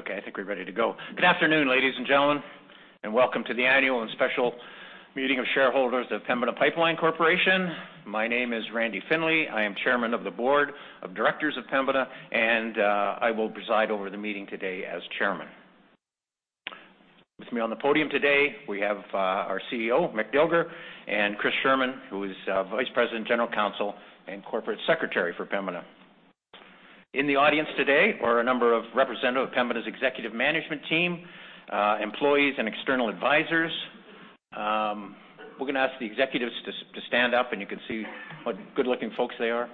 Okay, I think we're ready to go. Good afternoon, ladies and gentlemen, and welcome to the annual and special meeting of shareholders of Pembina Pipeline Corporation. My name is Randy Findlay. I am chairman of the board of directors of Pembina, and I will preside over the meeting today as chairman. With me on the podium today, we have our CEO, Mick Dilger, and Chris Sherman, who is vice president, general counsel, and corporate secretary for Pembina. In the audience today are a number of representatives of Pembina's executive management team, employees, and external advisors. We're going to ask the executives to stand up, and you can see what good-looking folks they are.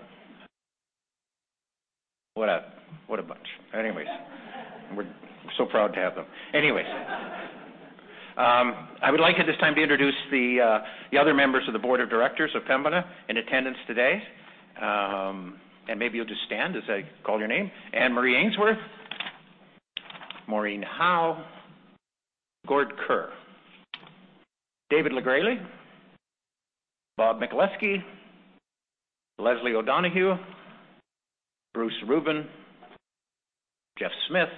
What a bunch. We're so proud to have them. I would like at this time to introduce the other members of the board of directors of Pembina in attendance today. Maybe you'll just stand as I call your name. Anne-Marie Ainsworth, Maureen Howe, Gord Kerr, David LeGresley, Bob Michaleski, Leslie O'Donoghue, Bruce Rubin, Jeff Smith,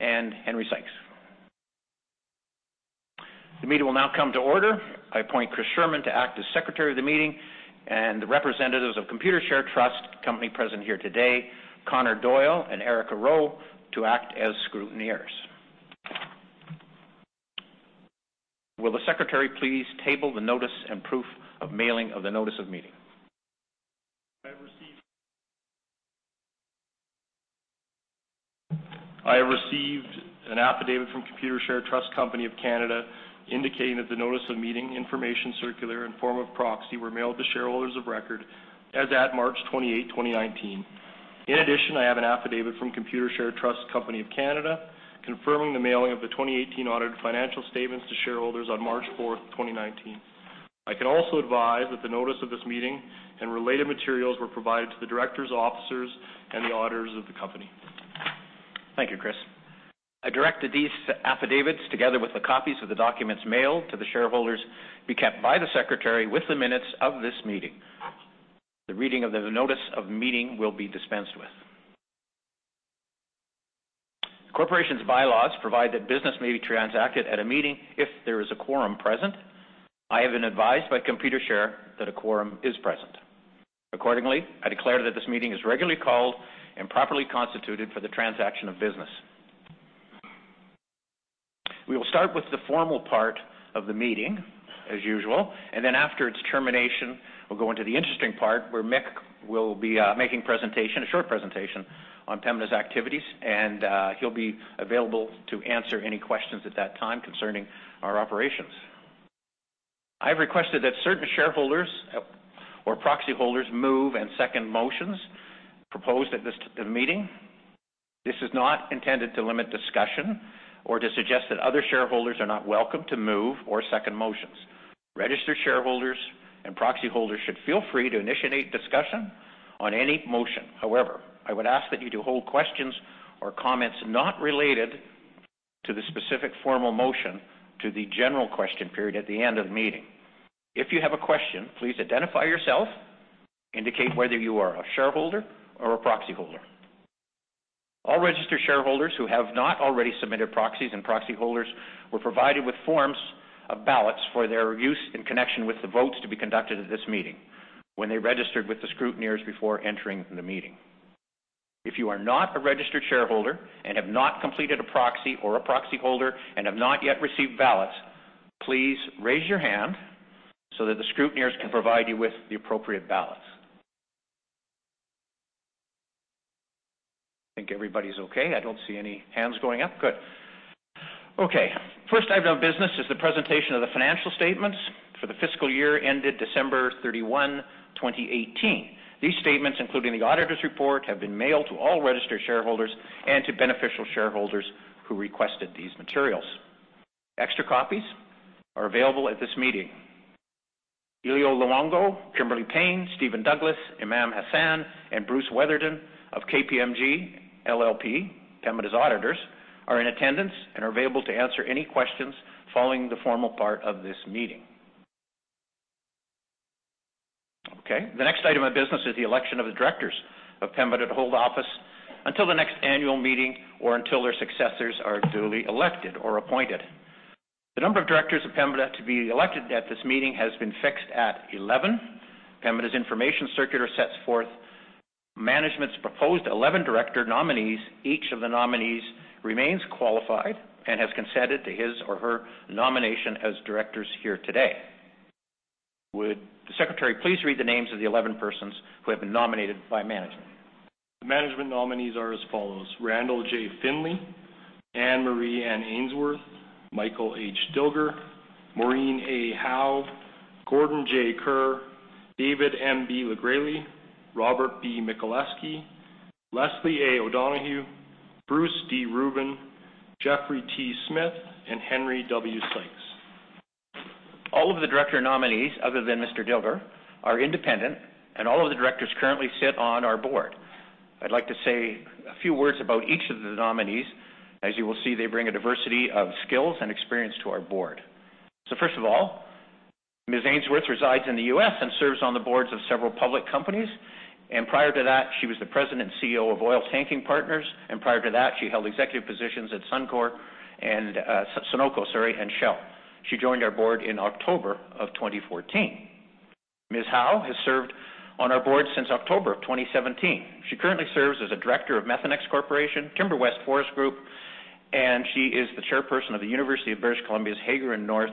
and Henry Sykes. The meeting will now come to order. I appoint Chris Sherman to act as secretary of the meeting and the representatives of Computershare Trust Company present here today, Connor Doyle and Erica Rowe, to act as scrutineers. Will the secretary please table the notice and proof of mailing of the notice of meeting? I have received an affidavit from Computershare Trust Company of Canada indicating that the notice of meeting, information circular, and form of proxy were mailed to shareholders of record as at March 28, 2019. In addition, I have an affidavit from Computershare Trust Company of Canada confirming the mailing of the 2018 audited financial statements to shareholders on March 4th, 2019. I can also advise that the notice of this meeting and related materials were provided to the directors, officers, and the auditors of the company. Thank you, Chris. I direct that these affidavits, together with the copies of the documents mailed to the shareholders, be kept by the secretary with the minutes of this meeting. The reading of the notice of meeting will be dispensed with. The corporation's bylaws provide that business may be transacted at a meeting if there is a quorum present. I have been advised by Computershare that a quorum is present. Accordingly, I declare that this meeting is regularly called and properly constituted for the transaction of business. We will start with the formal part of the meeting as usual, and then after its termination, we'll go into the interesting part where Mick will be making a short presentation on Pembina's activities, and he'll be available to answer any questions at that time concerning our operations. I have requested that certain shareholders or proxy holders move and second motions proposed at this meeting. This is not intended to limit discussion or to suggest that other shareholders are not welcome to move or second motions. Registered shareholders and proxy holders should feel free to initiate discussion on any motion. However, I would ask that you to hold questions or comments not related to the specific formal motion to the general question period at the end of the meeting. If you have a question, please identify yourself, indicate whether you are a shareholder or a proxy holder. All registered shareholders who have not already submitted proxies and proxy holders were provided with forms of ballots for their use in connection with the votes to be conducted at this meeting when they registered with the scrutineers before entering the meeting. If you are not a registered shareholder and have not completed a proxy or a proxy holder and have not yet received ballots, please raise your hand so that the scrutineers can provide you with the appropriate ballots. I think everybody's okay. I don't see any hands going up. Good. Okay. First item of business is the presentation of the financial statements for the fiscal year ended December 31, 2018. These statements, including the auditor's report, have been mailed to all registered shareholders and to beneficial shareholders who requested these materials. Extra copies are available at this meeting. Elio Luongo, Kimberly Payne, Steven Douglas, Imran Hassan, and Bruce Weatherdon of KPMG LLP, Pembina's auditors, are in attendance and are available to answer any questions following the formal part of this meeting. Okay. The next item of business is the election of the directors of Pembina to hold office until the next annual meeting or until their successors are duly elected or appointed. The number of directors of Pembina to be elected at this meeting has been fixed at 11. Pembina's information circular sets forth management's proposed 11 director nominees. Each of the nominees remains qualified and has consented to his or her nomination as directors here today. Would the secretary please read the names of the 11 persons who have been nominated by management? The management nominees are as follows: Randall J. Findlay, Anne-Marie N. Ainsworth, Michael H. Dilger, Maureen E. Howe, Gordon J. Kerr, David M.B. LeGresley, Robert B. Michaleski, Leslie A. O'Donoghue, Bruce D. Rubin, Jeffrey T. Smith, and Henry W. Sykes. All of the director nominees, other than Mr. Dilger, are independent, and all of the directors currently sit on our board. I'd like to say a few words about each of the nominees. As you will see, they bring a diversity of skills and experience to our board. First of all, Ms. Ainsworth resides in the U.S. and serves on the boards of several public companies. Prior to that, she was the President and CEO of Oiltanking Partners. Prior to that, she held executive positions at Sunoco and Shell. She joined our board in October 2014. Ms. Howe has served on our board since October 2017. She currently serves as a director of Methanex Corporation, TimberWest Forest Group, and she is the Chairperson of the University of British Columbia's Hager and North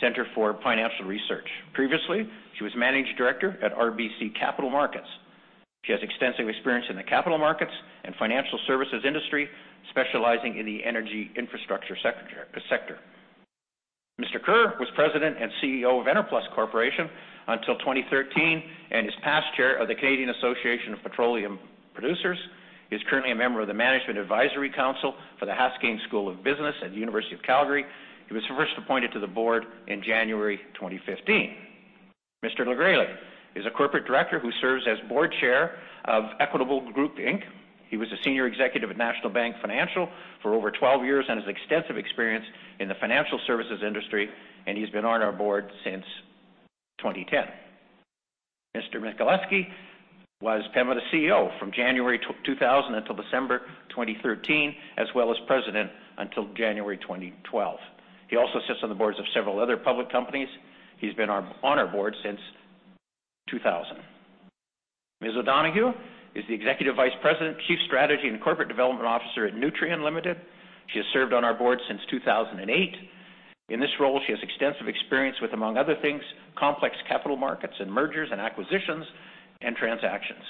Centre for Financial Research. Previously, she was Managing Director at RBC Capital Markets. She has extensive experience in the capital markets and financial services industry, specializing in the energy infrastructure sector. Mr. Kerr was President and CEO of Enerplus Corporation until 2013 and is past Chair of the Canadian Association of Petroleum Producers. He is currently a member of the Management Advisory Council for the Haskayne School of Business at the University of Calgary. He was first appointed to the board in January 2015. Mr. LeGresley is a corporate director who serves as Board Chair of Equitable Group Inc. He was a senior executive at National Bank Financial for over 12 years and has extensive experience in the financial services industry, he's been on our board since 2010. Mr. Michaleski was Pembina CEO from January 2000 until December 2013, as well as President until January 2012. He also sits on the boards of several other public companies. He's been on our board since 2000. Ms. O'Donoghue is the Executive Vice President, Chief Strategy and Corporate Development Officer at Nutrien Ltd. She has served on our board since 2008. In this role, she has extensive experience with, among other things, complex capital markets and mergers and acquisitions and transactions.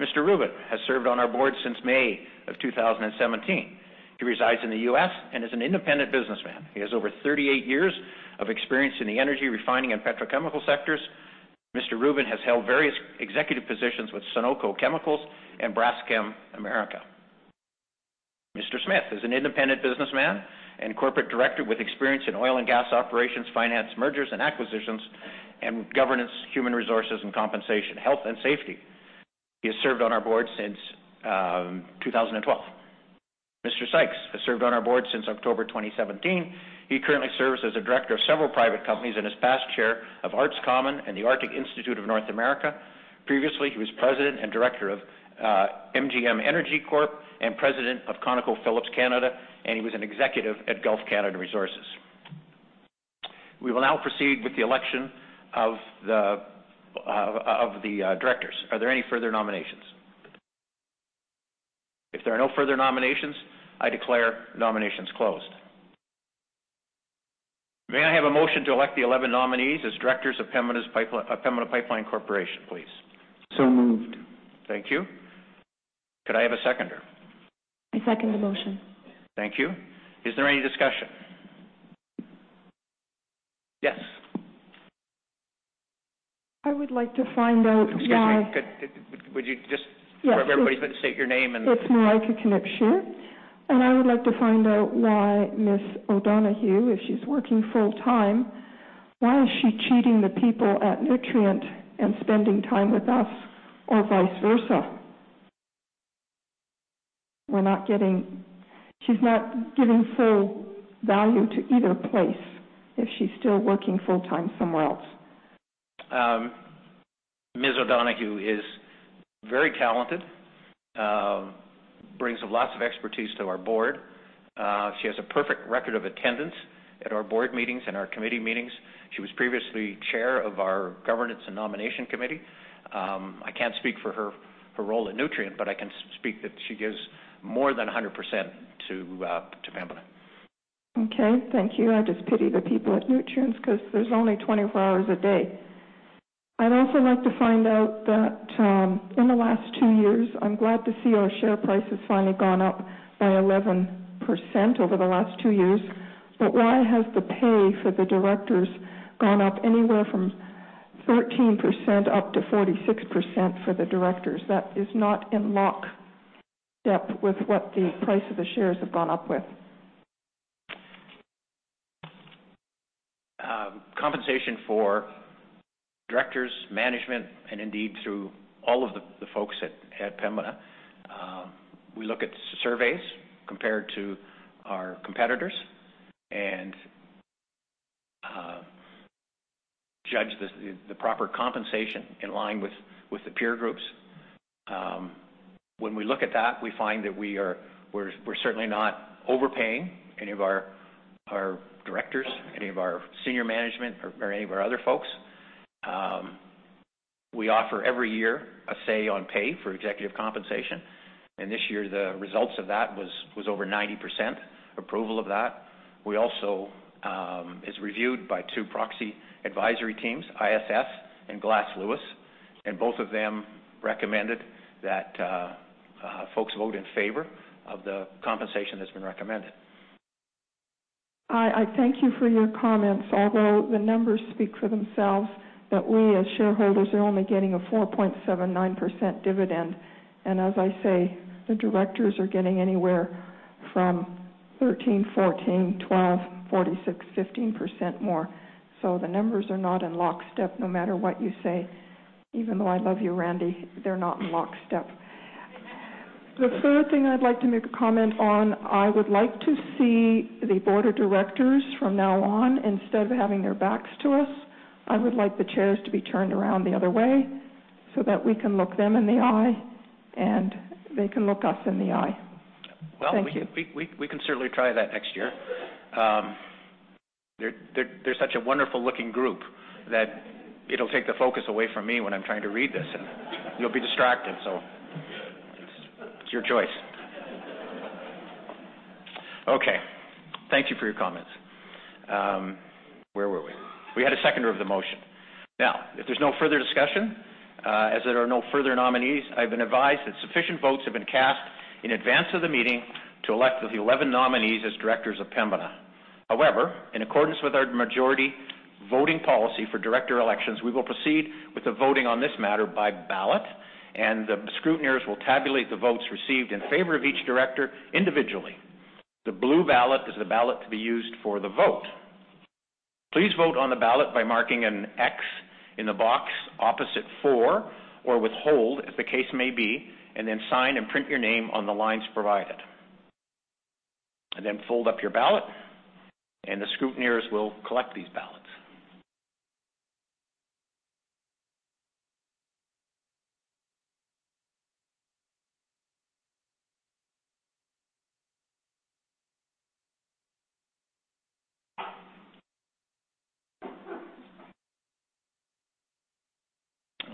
Mr. Rubin has served on our board since May 2017. He resides in the U.S. and is an independent businessman. He has over 38 years of experience in the energy refining and petrochemical sectors. Mr. Rubin has held various executive positions with Sunoco Chemicals and Braskem America. Mr. Smith is an independent businessman and corporate director with experience in oil and gas operations, finance, mergers and acquisitions, and governance, human resources, and compensation, health, and safety. He has served on our board since 2012. Mr. Sykes has served on our board since October 2017. He currently serves as a director of several private companies and is past Chair of Arts Commons and the Arctic Institute of North America. Previously, he was President and Director of MGM Energy Corp. and President of ConocoPhillips Canada, he was an executive at Gulf Canada Resources. We will now proceed with the election of the directors. Are there any further nominations? If there are no further nominations, I declare nominations closed. May I have a motion to elect the 11 nominees as directors of Pembina Pipeline Corporation, please? Moved. Thank you. Could I have a seconder? I second the motion. Thank you. Is there any discussion? Yes. I would like to find out why- Would you just, for everybody, state your name and- It's Moraika Kinapshire, and I would like to find out why Ms. O'Donoghue, if she's working full time, why is she cheating the people at Nutrien and spending time with us or vice versa? She's not giving full value to either place if she's still working full time somewhere else. Ms. O'Donoghue is very talented, brings lots of expertise to our board. She has a perfect record of attendance at our board meetings and our committee meetings. She was previously chair of our Governance and Nomination Committee. I can't speak for her role at Nutrien, but I can speak that she gives more than 100% to Pembina. Okay, thank you. I just pity the people at Nutrien because there's only 24 hours a day. I'd also like to find out that in the last two years, I'm glad to see our share price has finally gone up by 11% over the last two years. Why has the pay for the directors gone up anywhere from 13% up to 46% for the directors? That is not in lockstep with what the price of the shares have gone up with. Compensation for directors, management, and indeed to all of the folks at Pembina, we look at surveys compared to our competitors and judge the proper compensation in line with the peer groups. When we look at that, we find that we're certainly not overpaying any of our directors, any of our senior management or any of our other folks. We offer every year a say on pay for executive compensation. This year the results of that was over 90% approval of that. It's reviewed by two proxy advisory teams, ISS and Glass Lewis. Both of them recommended that folks vote in favor of the compensation that's been recommended. I thank you for your comments, although the numbers speak for themselves that we as shareholders are only getting a 4.79% dividend. As I say, the directors are getting anywhere from 13%, 14%, 12%, 46%, 15% more. The numbers are not in lockstep no matter what you say. Even though I love you, Randy, they're not in lockstep. The third thing I'd like to make a comment on, I would like to see the board of directors from now on, instead of having their backs to us, I would like the chairs to be turned around the other way so that we can look them in the eye, and they can look us in the eye. Thank you. Well, we can certainly try that next year. They're such a wonderful-looking group that it'll take the focus away from me when I'm trying to read this, and you'll be distracted. It's your choice. Okay. Thank you for your comments. Where were we? We had a seconder of the motion. Now, if there's no further discussion, as there are no further nominees, I've been advised that sufficient votes have been cast in advance of the meeting to elect the 11 nominees as directors of Pembina. However, in accordance with our majority voting policy for director elections, we will proceed with the voting on this matter by ballot, and the scrutineers will tabulate the votes received in favor of each director individually. The blue ballot is the ballot to be used for the vote. Please vote on the ballot by marking an X in the box opposite for, or withhold, as the case may be, then sign and print your name on the lines provided. Then fold up your ballot, and the scrutineers will collect these ballots.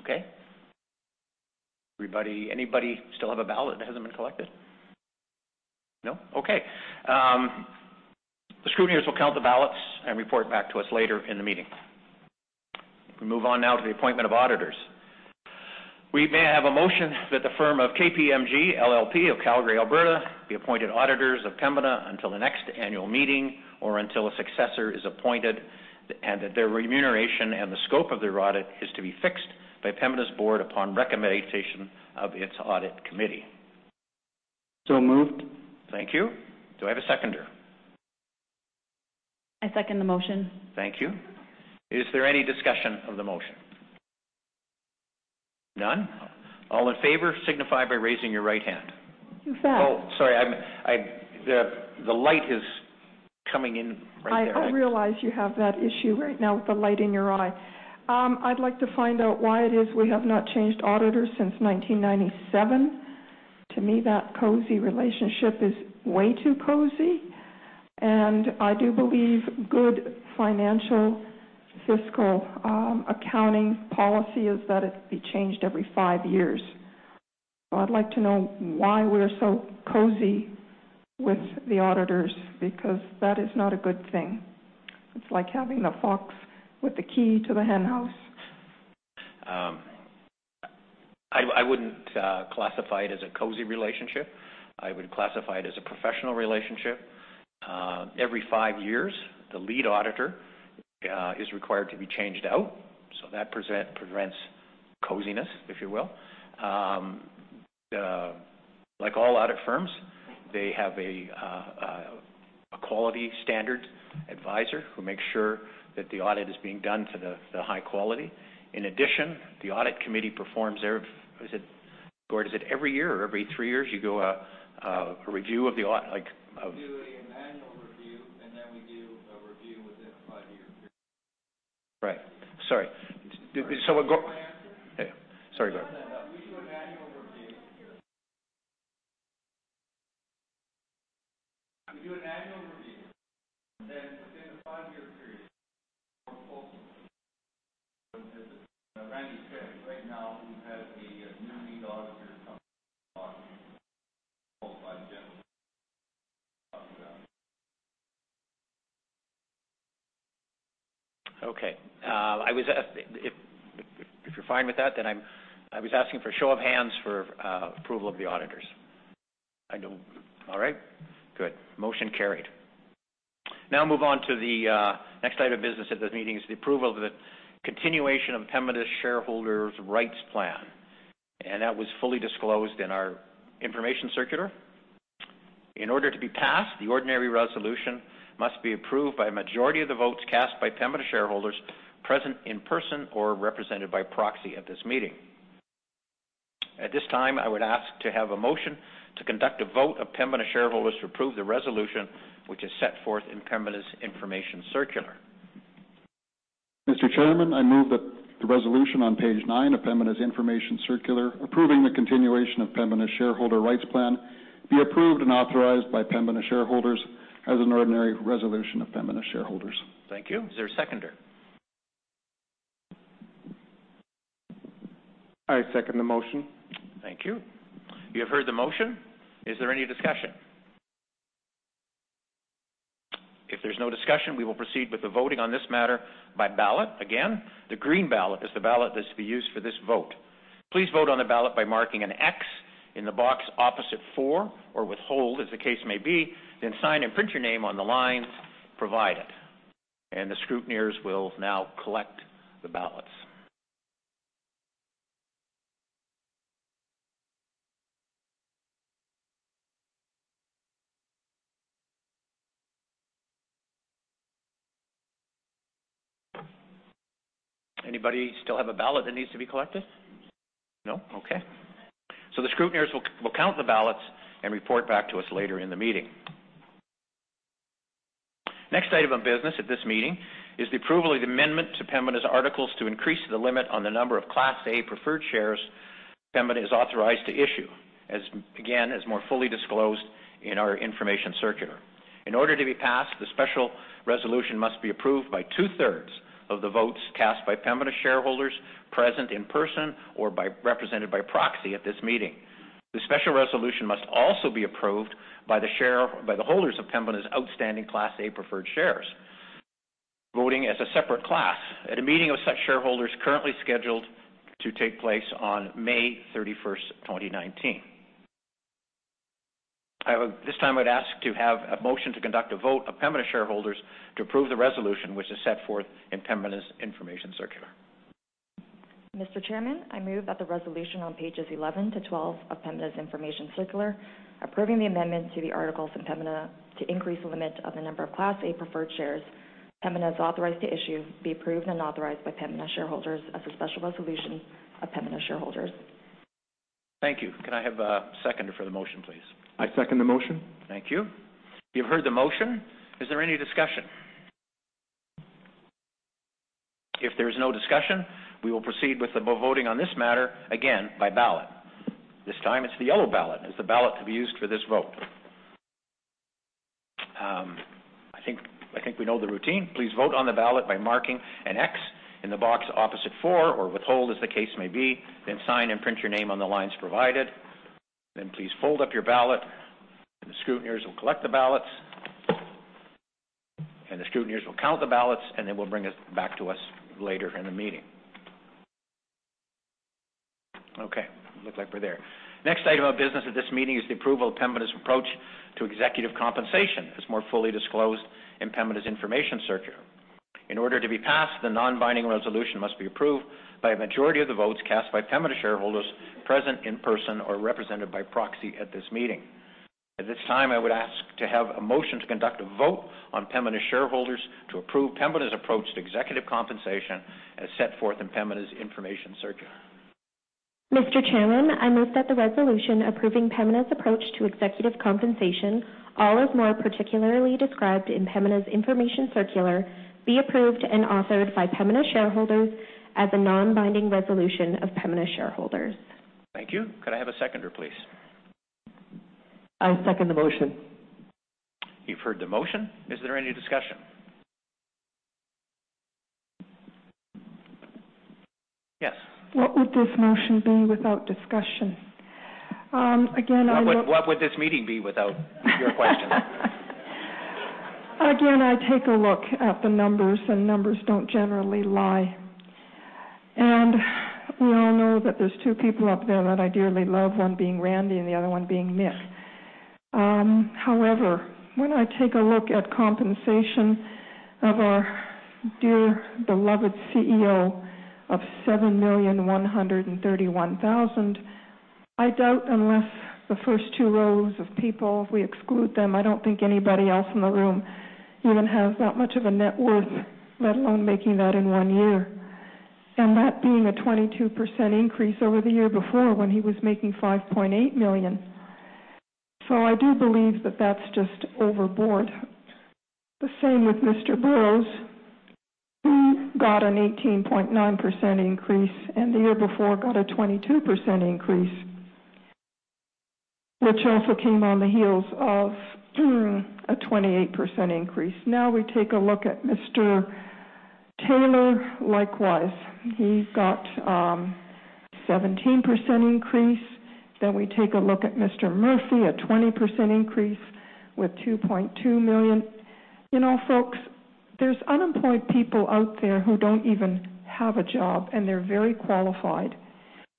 Okay. Anybody still have a ballot that hasn't been collected? No? Okay. The scrutineers will count the ballots and report back to us later in the meeting. May I have a motion that the firm of KPMG LLP of Calgary, Alberta, be appointed auditors of Pembina until the next annual meeting or until a successor is appointed, and that their remuneration and the scope of their audit is to be fixed by Pembina's board upon recommendation of its audit committee. Moved. Thank you. Do I have a seconder? I second the motion. Thank you. Is there any discussion of the motion? None. All in favor signify by raising your right hand. Who's that? Oh, sorry. The light is coming in right there. I realize you have that issue right now with the light in your eye. I'd like to find out why it is we have not changed auditors since 1997. To me, that cozy relationship is way too cozy. I do believe good financial fiscal accounting policy is that it be changed every five years. I'd like to know why we're so cozy with the auditors, because that is not a good thing. It's like having a fox with the key to the henhouse. I wouldn't classify it as a cozy relationship. I would classify it as a professional relationship. Every five years, the lead auditor is required to be changed out, so that prevents coziness, if you will. Like all audit firms, they have a quality standard advisor who makes sure that the audit is being done to the high quality. In addition, the audit committee performs their Gord, is it every year or every three years you do a review of the? We do an annual review, and then we do a review within a five-year period. Right. Sorry. Did I answer? Sorry, Gord. We do an annual review. We do an annual review. Within a five-year period, a full review. Randy Smith, right now we have the new lead auditor coming in. Okay. If you're fine with that, I was asking for a show of hands for approval of the auditors. All right. Good. Motion carried. Now move on to the next item of business at this meeting is the approval of the continuation of Pembina's shareholders' rights plan. That was fully disclosed in our information circular. In order to be passed, the ordinary resolution must be approved by a majority of the votes cast by Pembina shareholders present in person or represented by proxy at this meeting. At this time, I would ask to have a motion to conduct a vote of Pembina shareholders to approve the resolution, which is set forth in Pembina's information circular. Mr. Chairman, I move that the resolution on page nine of Pembina's information circular approving the continuation of Pembina's shareholders' rights plan be approved and authorized by Pembina shareholders as an ordinary resolution of Pembina shareholders. Thank you. Is there a seconder? I second the motion. Thank you. You have heard the motion. Is there any discussion? If there's no discussion, we will proceed with the voting on this matter by ballot. Again, the green ballot is the ballot that's to be used for this vote. Please vote on the ballot by marking an X in the box opposite for or withhold, as the case may be, then sign and print your name on the lines provided. The scrutineers will now collect the ballots. Anybody still have a ballot that needs to be collected? No? Okay. The scrutineers will count the ballots and report back to us later in the meeting. Next item of business at this meeting is the approval of the amendment to Pembina's articles to increase the limit on the number of Class A preferred shares Pembina is authorized to issue, again, as more fully disclosed in our information circular. In order to be passed, the special resolution must be approved by two-thirds of the votes cast by Pembina shareholders present in person or represented by proxy at this meeting. The special resolution must also be approved by the holders of Pembina's outstanding Class A preferred shares, voting as a separate class at a meeting of such shareholders currently scheduled to take place on May 31st, 2019. At this time I would ask to have a motion to conduct a vote of Pembina shareholders to approve the resolution, which is set forth in Pembina's information circular. Mr. Chairman, I move that the resolution on pages 11 to 12 of Pembina's information circular, approving the amendment to the articles of Pembina to increase the limit of the number of Class A preferred shares Pembina is authorized to issue, be approved and authorized by Pembina shareholders as a special resolution of Pembina shareholders. Thank you. Can I have a seconder for the motion, please? I second the motion. Thank you. You've heard the motion. Is there any discussion? If there's no discussion, we will proceed with the voting on this matter, again, by ballot. This time it's the yellow ballot, is the ballot to be used for this vote. I think we know the routine. Please vote on the ballot by marking an X in the box opposite for or withhold, as the case may be, then sign and print your name on the lines provided. Then please fold up your ballot, and the scrutineers will collect the ballots. The scrutineers will count the ballots, and they will bring it back to us later in the meeting. Okay, looks like we're there. Next item of business at this meeting is the approval of Pembina's approach to executive compensation, as more fully disclosed in Pembina's information circular. In order to be passed, the non-binding resolution must be approved by a majority of the votes cast by Pembina shareholders present in person or represented by proxy at this meeting. At this time, I would ask to have a motion to conduct a vote on Pembina shareholders to approve Pembina's approach to executive compensation as set forth in Pembina's information circular. Mr. Chairman, I move that the resolution approving Pembina's approach to executive compensation, all as more particularly described in Pembina's information circular, be approved and authorized by Pembina shareholders as a non-binding resolution of Pembina shareholders. Thank you. Could I have a seconder, please? I second the motion. You've heard the motion. Is there any discussion? Yes. What would this motion be without discussion? Again, I What would this meeting be without your questions? Again, I take a look at the numbers, and numbers don't generally lie. We all know that there's two people up there that I dearly love, one being Randy and the other one being Mick. However, when I take a look at compensation of our dear beloved CEO of 7,131,000, I doubt, unless the first two rows of people, if we exclude them, I don't think anybody else in the room even has that much of a net worth, let alone making that in one year. That being a 22% increase over the year before when he was making 5.8 million. I do believe that that's just overboard. The same with Mr. Burrows, who got an 18.9% increase, and the year before got a 22% increase, which also came on the heels of a 28% increase. Now we take a look at Mr. Taylor, likewise. He got a 17% increase. We take a look at Mr. Murphy, a 20% increase with 2.2 million. You know, folks, there's unemployed people out there who don't even have a job, and they're very qualified.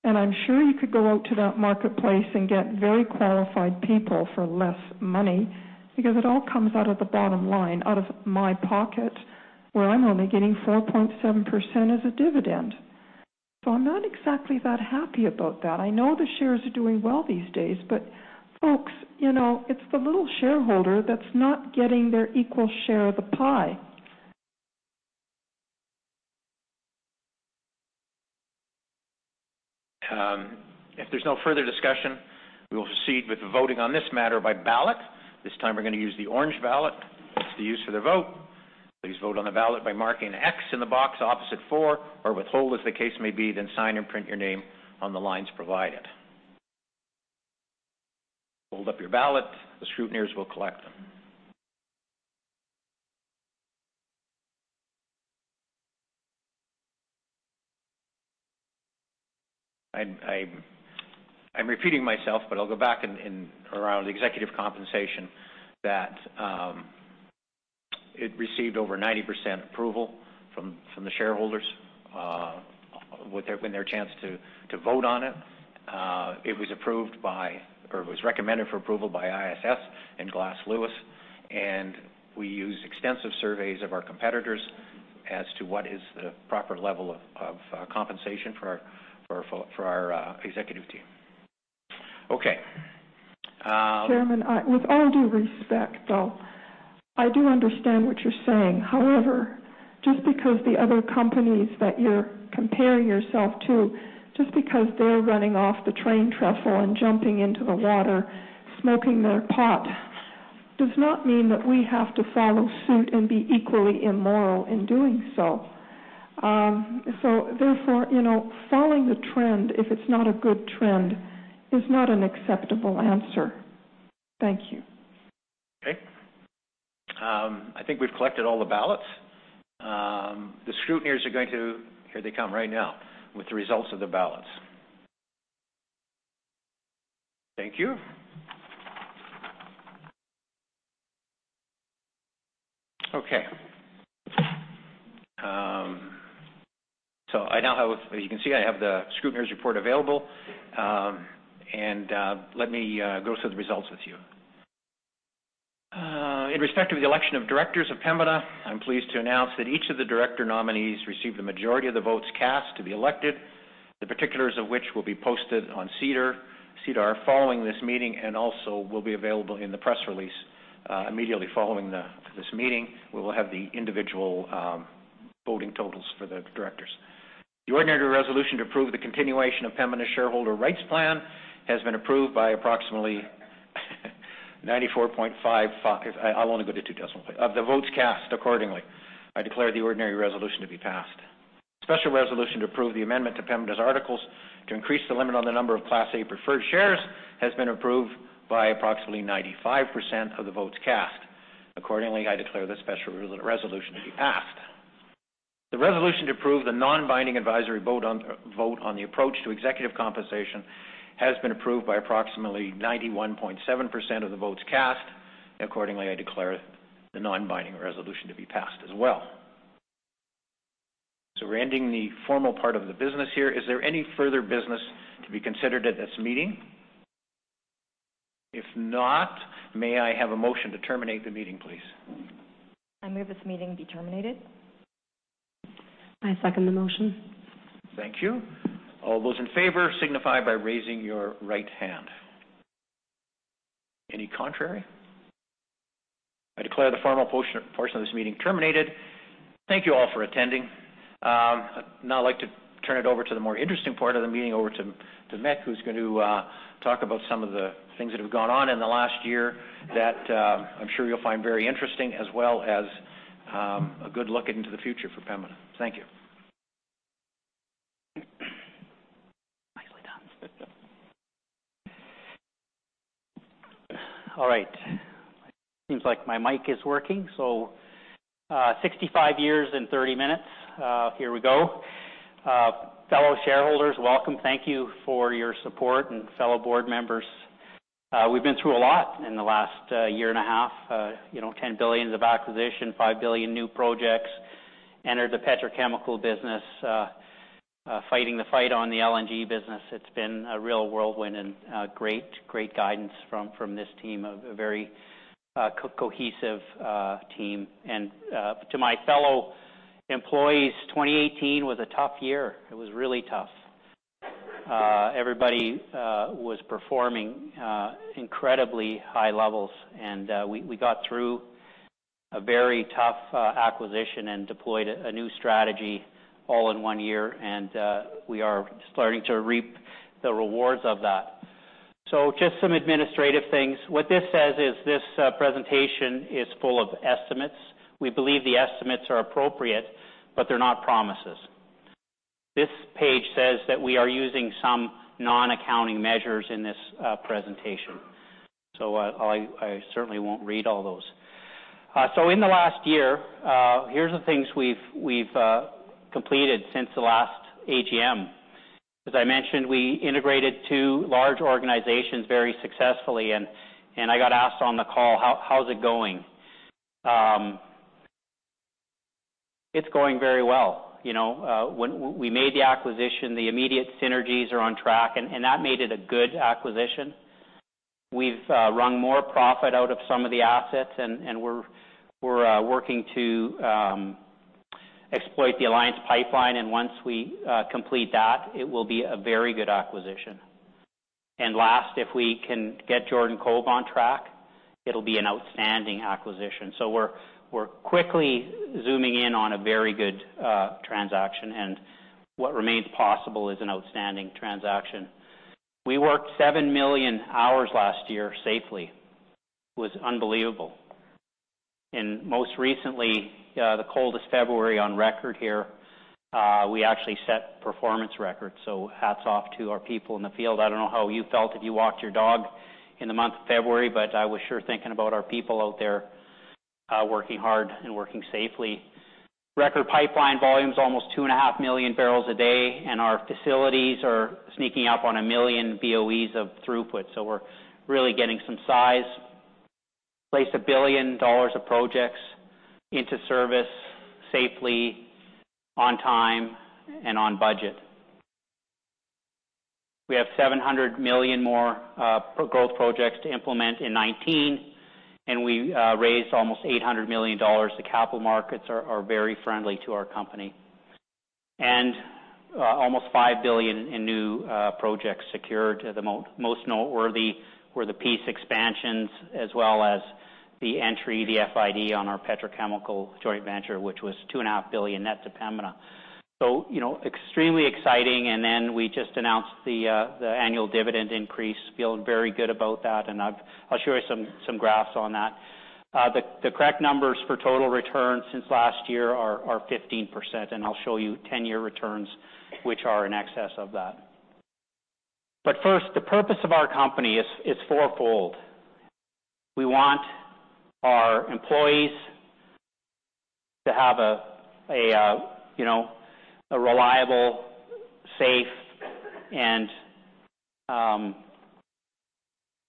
I'm sure you could go out to that marketplace and get very qualified people for less money, because it all comes out of the bottom line, out of my pocket, where I'm only getting 4.7% as a dividend. I'm not exactly that happy about that. I know the shares are doing well these days, but folks, it's the little shareholder that's not getting their equal share of the pie. If there's no further discussion, we will proceed with voting on this matter by ballot. This time we're going to use the orange ballot for the vote. Please vote on the ballot by marking an X in the box opposite for or withhold, as the case may be. Sign and print your name on the lines provided. Fold up your ballot. The scrutineers will collect them. I'm repeating myself, but I'll go back around executive compensation, that it received over 90% approval from the shareholders with their chance to vote on it. It was recommended for approval by ISS and Glass Lewis, and we used extensive surveys of our competitors as to what is the proper level of compensation for our executive team. Chairman, with all due respect, though, I do understand what you're saying. Just because the other companies that you're comparing yourself to, just because they're running off the train trestle and jumping into the water, smoking their pot, does not mean that we have to follow suit and be equally immoral in doing so. Therefore, following the trend, if it's not a good trend, is not an acceptable answer. Thank you. I think we've collected all the ballots. Here they come right now with the results of the ballots. Thank you. You can see, I have the scrutineers report available, let me go through the results with you. In respect to the election of directors of Pembina, I'm pleased to announce that each of the director nominees received the majority of the votes cast to be elected, the particulars of which will be posted on SEDAR following this meeting and also will be available in the press release immediately following this meeting. We will have the individual voting totals for the directors. The ordinary resolution to approve the continuation of Pembina shareholders' rights plan has been approved by approximately 94.55, I'll only go to two decimal points, of the votes cast. I declare the ordinary resolution to be passed. Special resolution to approve the amendment to Pembina's articles to increase the limit on the number of Class A preferred shares has been approved by approximately 95% of the votes cast. Accordingly, I declare the special resolution to be passed. The resolution to approve the non-binding advisory vote on the approach to executive compensation has been approved by approximately 91.7% of the votes cast, and accordingly, I declare the non-binding resolution to be passed as well. We're ending the formal part of the business here. Is there any further business to be considered at this meeting? If not, may I have a motion to terminate the meeting, please? I move this meeting be terminated. I second the motion. Thank you. All those in favor signify by raising your right hand. Any contrary? I declare the formal portion of this meeting terminated. Thank you all for attending. I'd now like to turn it over to the more interesting part of the meeting, over to Mick, who's going to talk about some of the things that have gone on in the last year that I'm sure you'll find very interesting, as well as a good look into the future for Pembina. Thank you. Nicely done. All right. Seems like my mic is working. 65 years in 30 minutes. Here we go. Fellow shareholders, welcome. Thank you for your support, and fellow board members. We've been through a lot in the last year and a half. 10 billion of acquisition, 5 billion new projects, entered the petrochemical business, fighting the fight on the LNG business. It's been a real whirlwind and great guidance from this team, a very cohesive team. To my fellow employees, 2018 was a tough year. It was really tough. Everybody was performing incredibly high levels, and we got through a very tough acquisition and deployed a new strategy all in one year, and we are starting to reap the rewards of that. Just some administrative things. What this says is this presentation is full of estimates. We believe the estimates are appropriate, but they're not promises. This page says that we are using some non-accounting measures in this presentation. I certainly won't read all those. In the last year, here's the things we've completed since the last AGM. As I mentioned, we integrated two large organizations very successfully. I got asked on the call, "How's it going?" It's going very well. When we made the acquisition, the immediate synergies are on track, and that made it a good acquisition. We've wrung more profit out of some of the assets, and we're working to exploit the Alliance Pipeline, and once we complete that, it will be a very good acquisition. Last, if we can get Jordan Cove on track, it'll be an outstanding acquisition. We're quickly zooming in on a very good transaction, and what remains possible is an outstanding transaction. We worked 7 million hours last year safely. It was unbelievable. Most recently, the coldest February on record here, we actually set performance records. Hats off to our people in the field. I don't know how you felt if you walked your dog in the month of February, but I was sure thinking about our people out there working hard and working safely. Record pipeline volumes, almost two and a half million barrels a day, and our facilities are sneaking up on 1 million BOEs of throughput. We're really getting some size. Placed 1 billion dollars of projects into service safely, on time, and on budget. We have 700 million more growth projects to implement in 2019. We raised almost 800 million dollars. The capital markets are very friendly to our company. Almost 5 billion in new projects secured. The most noteworthy were the Peace expansions as well as the entry, the FID on our petrochemical joint venture, which was 2.5 billion net to Pembina. Extremely exciting. Then we just announced the annual dividend increase. Feel very good about that, and I'll show you some graphs on that. The correct numbers for total returns since last year are 15%, and I'll show you 10-year returns, which are in excess of that. First, the purpose of our company is fourfold. We want our employees to have a reliable, safe, and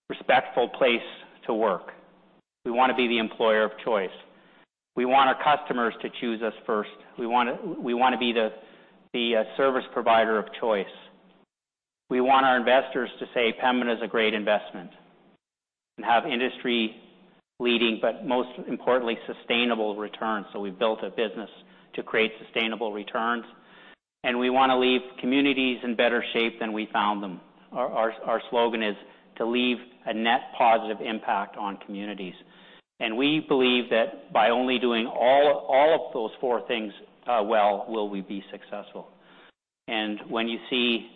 respectful place to work. We want to be the employer of choice. We want our customers to choose us first. We want to be the service provider of choice. We want our investors to say Pembina is a great investment and have industry-leading, but most importantly, sustainable returns. We've built a business to create sustainable returns, and we want to leave communities in better shape than we found them. Our slogan is to leave a net positive impact on communities. We believe that by only doing all of those four things well will we be successful. When you see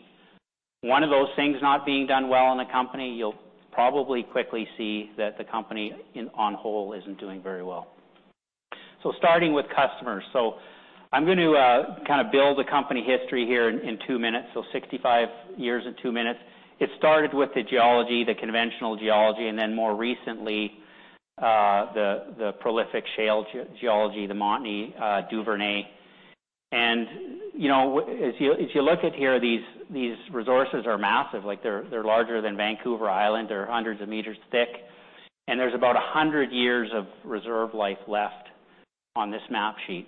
one of those things not being done well in a company, you'll probably quickly see that the company on whole isn't doing very well. Starting with customers. I'm going to build a company history here in 2 minutes, 65 years in 2 minutes. It started with the geology, the conventional geology, and then more recently, the prolific shale geology, the Montney Duvernay. If you look at here, these resources are massive. They're larger than Vancouver Island. They're hundreds of meters thick, and there's about 100 years of reserve life left on this map sheet.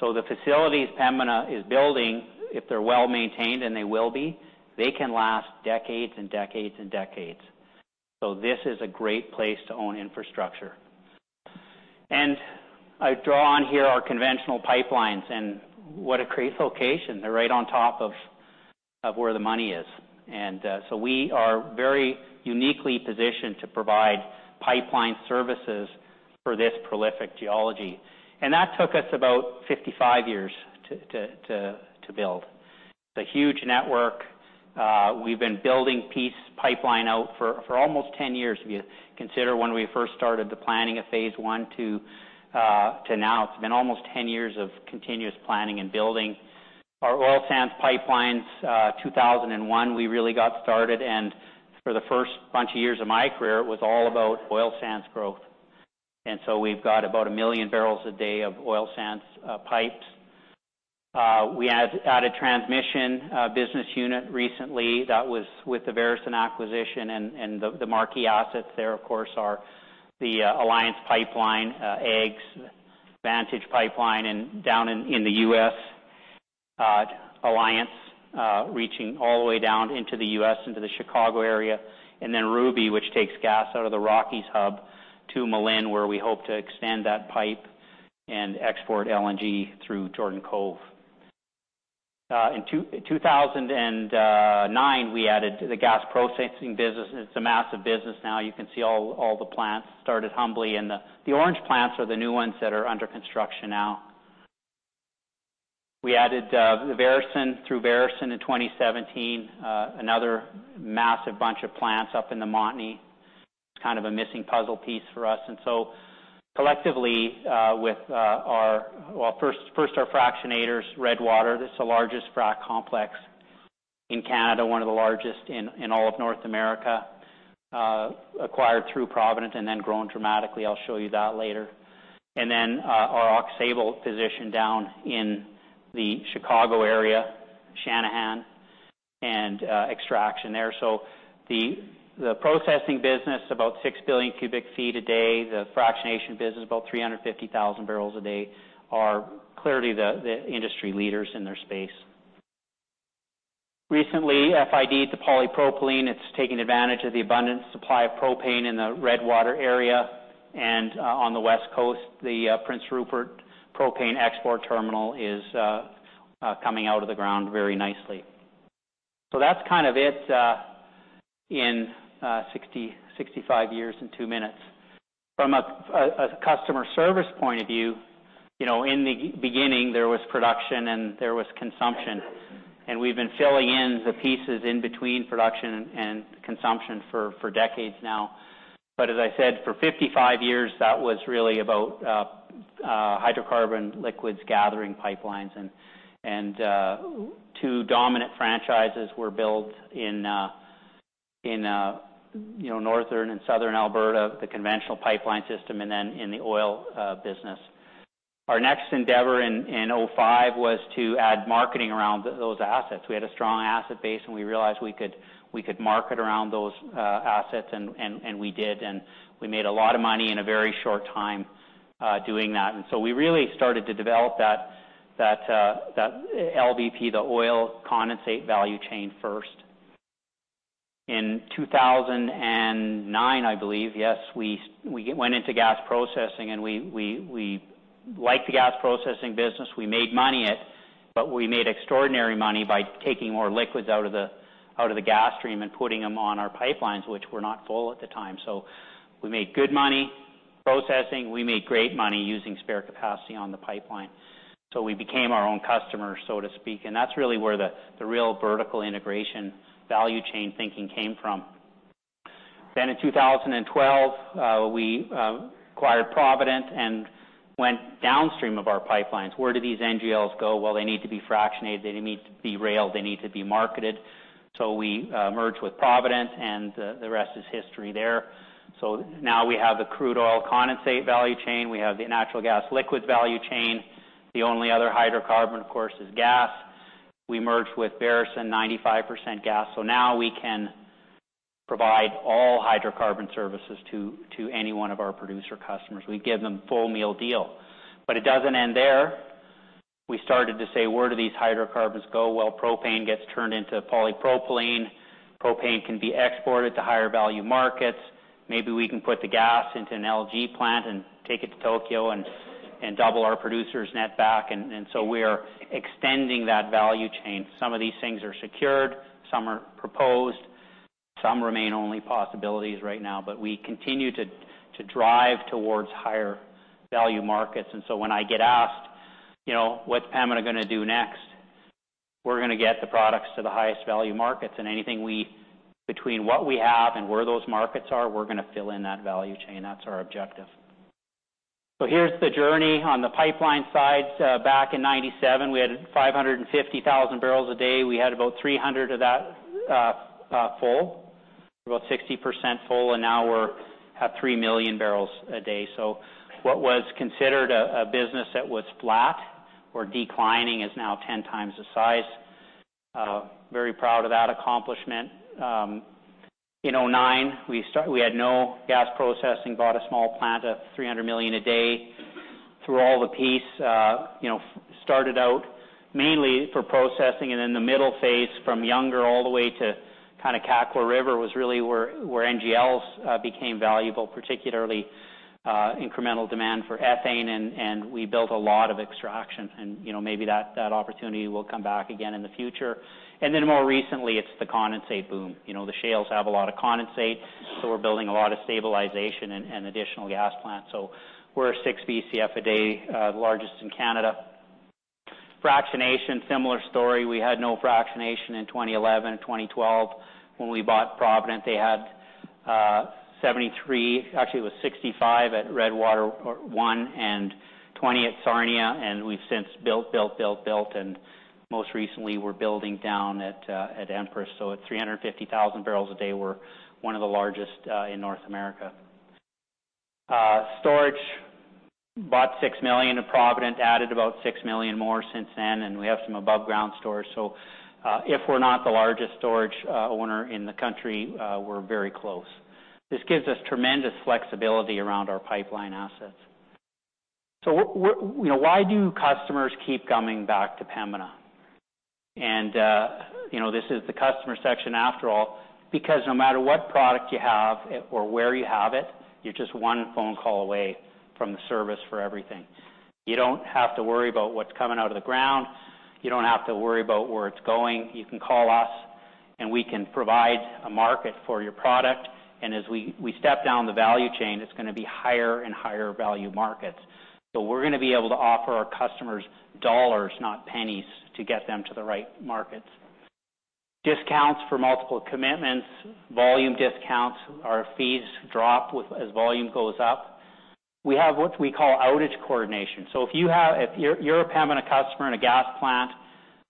The facilities Pembina is building, if they're well-maintained, and they will be, they can last decades and decades. This is a great place to own infrastructure. I've drawn here our conventional pipelines and what a great location. They're right on top of where the money is. We are very uniquely positioned to provide pipeline services for this prolific geology. That took us about 55 years to build. It's a huge network. We've been building Peace Pipeline out for almost 10 years. If you consider when we first started the planning of phase 1 to now, it's been almost 10 years of continuous planning and building. Our oil sands pipelines, 2001, we really got started, and for the first bunch of years of my career, it was all about oil sands growth. We've got about 1 million barrels a day of oil sands pipes. We added transmission business unit recently. That was with the Veresen acquisition and the marquee assets there, of course, are the Alliance Pipeline, Aux Sable, Vantage Pipeline, and down in the U.S., Alliance, reaching all the way down into the U.S. into the Chicago area, and then Ruby Pipeline, which takes gas out of the Rockies hub to Malin, where we hope to extend that pipe and export LNG through Jordan Cove. In 2009, we added the gas processing business. It's a massive business now. You can see all the plants started humbly, and the orange plants are the new ones that are under construction now. We added Veresen through Veresen in 2017, another massive bunch of plants up in the Montney. It's kind of a missing puzzle piece for us. Collectively, first our fractionators, Redwater. This is the largest frac complex in Canada, one of the largest in all of North America, acquired through Provident and then grown dramatically. I'll show you that later. Then our Oxbow position down in the Chicago area, Channahon, and extraction there. The processing business, about 6 billion cubic feet a day. The fractionation business, about 350,000 barrels a day, are clearly the industry leaders in their space. Recently, FID, the polypropylene, it's taking advantage of the abundant supply of propane in the Redwater area and on the West Coast, the Prince Rupert propane export terminal is coming out of the ground very nicely. That's it in 65 years in 2 minutes. From a customer service point of view, in the beginning, there was production and there was consumption, we've been filling in the pieces in between production and consumption for decades now. As I said, for 55 years, that was really about hydrocarbon liquids gathering pipelines, two dominant franchises were built in northern and southern Alberta, the conventional pipeline system, then in the oil business. Our next endeavor in 2005 was to add marketing around those assets. We had a strong asset base, we realized we could market around those assets, we did, we made a lot of money in a very short time doing that. We really started to develop that LBP, the oil condensate value chain first. In 2009, I believe, yes, we went into gas processing, we liked the gas processing business. We made money at, we made extraordinary money by taking more liquids out of the gas stream and putting them on our pipelines, which were not full at the time. We made good money processing. We made great money using spare capacity on the pipeline. We became our own customer, so to speak, that's really where the real vertical integration value chain thinking came from. In 2012, we acquired Provident and went downstream of our pipelines. Where do these NGLs go? Well, they need to be fractionated. They need to be railed, they need to be marketed. We merged with Provident, the rest is history there. Now we have the crude oil condensate value chain. We have the natural gas liquids value chain. The only other hydrocarbon, of course, is gas. We merged with Veresen, 95% gas. Now we can provide all hydrocarbon services to any one of our producer customers. We give them full meal deal. It doesn't end there. We started to say, where do these hydrocarbons go? Well, propane gets turned into polypropylene. Propane can be exported to higher value markets. Maybe we can put the gas into an LNG plant and take it to Tokyo and double our producer's net back. We're extending that value chain. Some of these things are secured, some are proposed, some remain only possibilities right now. We continue to drive towards higher value markets. When I get asked, "What's Pembina going to do next?" We're going to get the products to the highest value markets, anything between what we have and where those markets are, we're going to fill in that value chain. That's our objective. Here's the journey on the pipeline side. Back in 1997, we had 550,000 barrels a day. We had about 300 of that full, about 60% full, now we have 3 million barrels a day. What was considered a business that was flat or declining is now 10 times the size. Very proud of that accomplishment. In 2009, we had no gas processing, bought a small plant at 300 million a day through all the Peace. Started out mainly for processing. In the middle phase, from Younger all the way to kind of Kakwa River was really where NGLs became valuable, particularly incremental demand for ethane, we built a lot of extraction, maybe that opportunity will come back again in the future. More recently, it's the condensate boom. The shales have a lot of condensate, we're building a lot of stabilization and additional gas plants. We're a 6 Bcf a day, largest in Canada. Fractionation, similar story. We had no fractionation in 2011 and 2012 when we bought Provident. They had 73. Actually, it was 65 at Redwater 1 and 20 at Sarnia, and we've since built. Most recently, we're building down at Empress. At 350,000 barrels a day, we're one of the largest in North America. Storage, bought 6 million of Provident, added about 6 million more since then, and we have some above-ground storage. If we're not the largest storage owner in the country, we're very close. This gives us tremendous flexibility around our pipeline assets. Why do customers keep coming back to Pembina? This is the customer section, after all. No matter what product you have or where you have it, you're just one phone call away from the service for everything. You don't have to worry about what's coming out of the ground. You don't have to worry about where it's going. You can call us, we can provide a market for your product. As we step down the value chain, it's going to be higher and higher value markets. We're going to be able to offer our customers dollars, not pennies, to get them to the right markets. Discounts for multiple commitments, volume discounts. Our fees drop as volume goes up. We have what we call outage coordination. If you're a Pembina customer in a gas plant,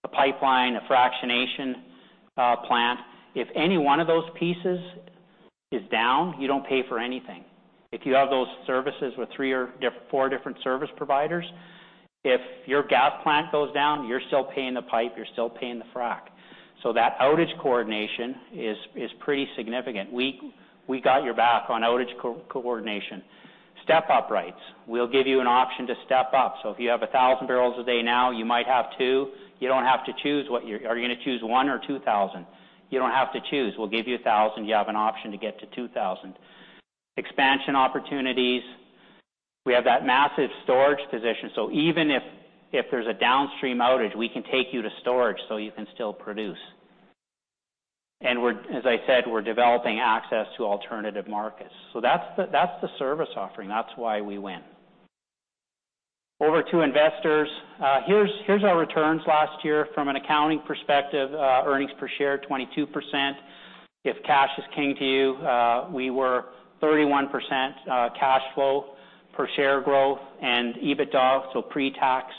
a pipeline, a fractionation plant, if any one of those pieces is down, you don't pay for anything. If you have those services with three or four different service providers, if your gas plant goes down, you're still paying the pipe, you're still paying the frack. That outage coordination is pretty significant. We got your back on outage coordination. Step-up rights, we'll give you an option to step up. If you have 1,000 barrels a day now, you might have two. You don't have to choose. Are you going to choose one or 2,000? You don't have to choose. We'll give you 1,000. You have an option to get to 2,000. Expansion opportunities. We have that massive storage position, so even if there's a downstream outage, we can take you to storage so you can still produce. As I said, we're developing access to alternative markets. That's the service offering. That's why we win. Over to investors. Here's our returns last year from an accounting perspective. Earnings per share, 22%. If cash is king to you, we were 31% cash flow per share growth and EBITDA, so pre-tax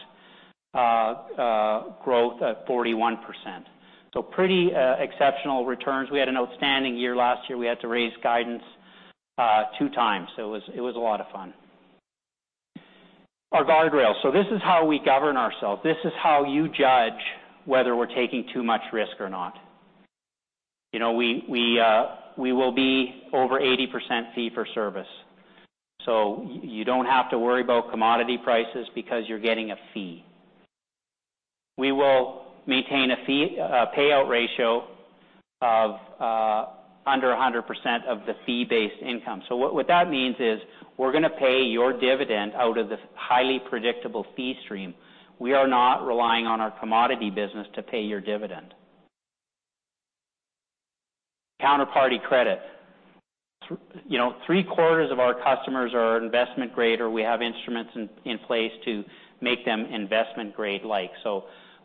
growth at 41%. Pretty exceptional returns. We had an outstanding year last year. We had to raise guidance two times. It was a lot of fun. Our guardrails. This is how we govern ourselves. This is how you judge whether we're taking too much risk or not. We will be over 80% fee for service. You don't have to worry about commodity prices because you're getting a fee. We will maintain a payout ratio of under 100% of the fee-based income. What that means is we're going to pay your dividend out of the highly predictable fee stream. We are not relying on our commodity business to pay your dividend. Counterparty credit. Three-quarters of our customers are investment-grade, or we have instruments in place to make them investment grade-like.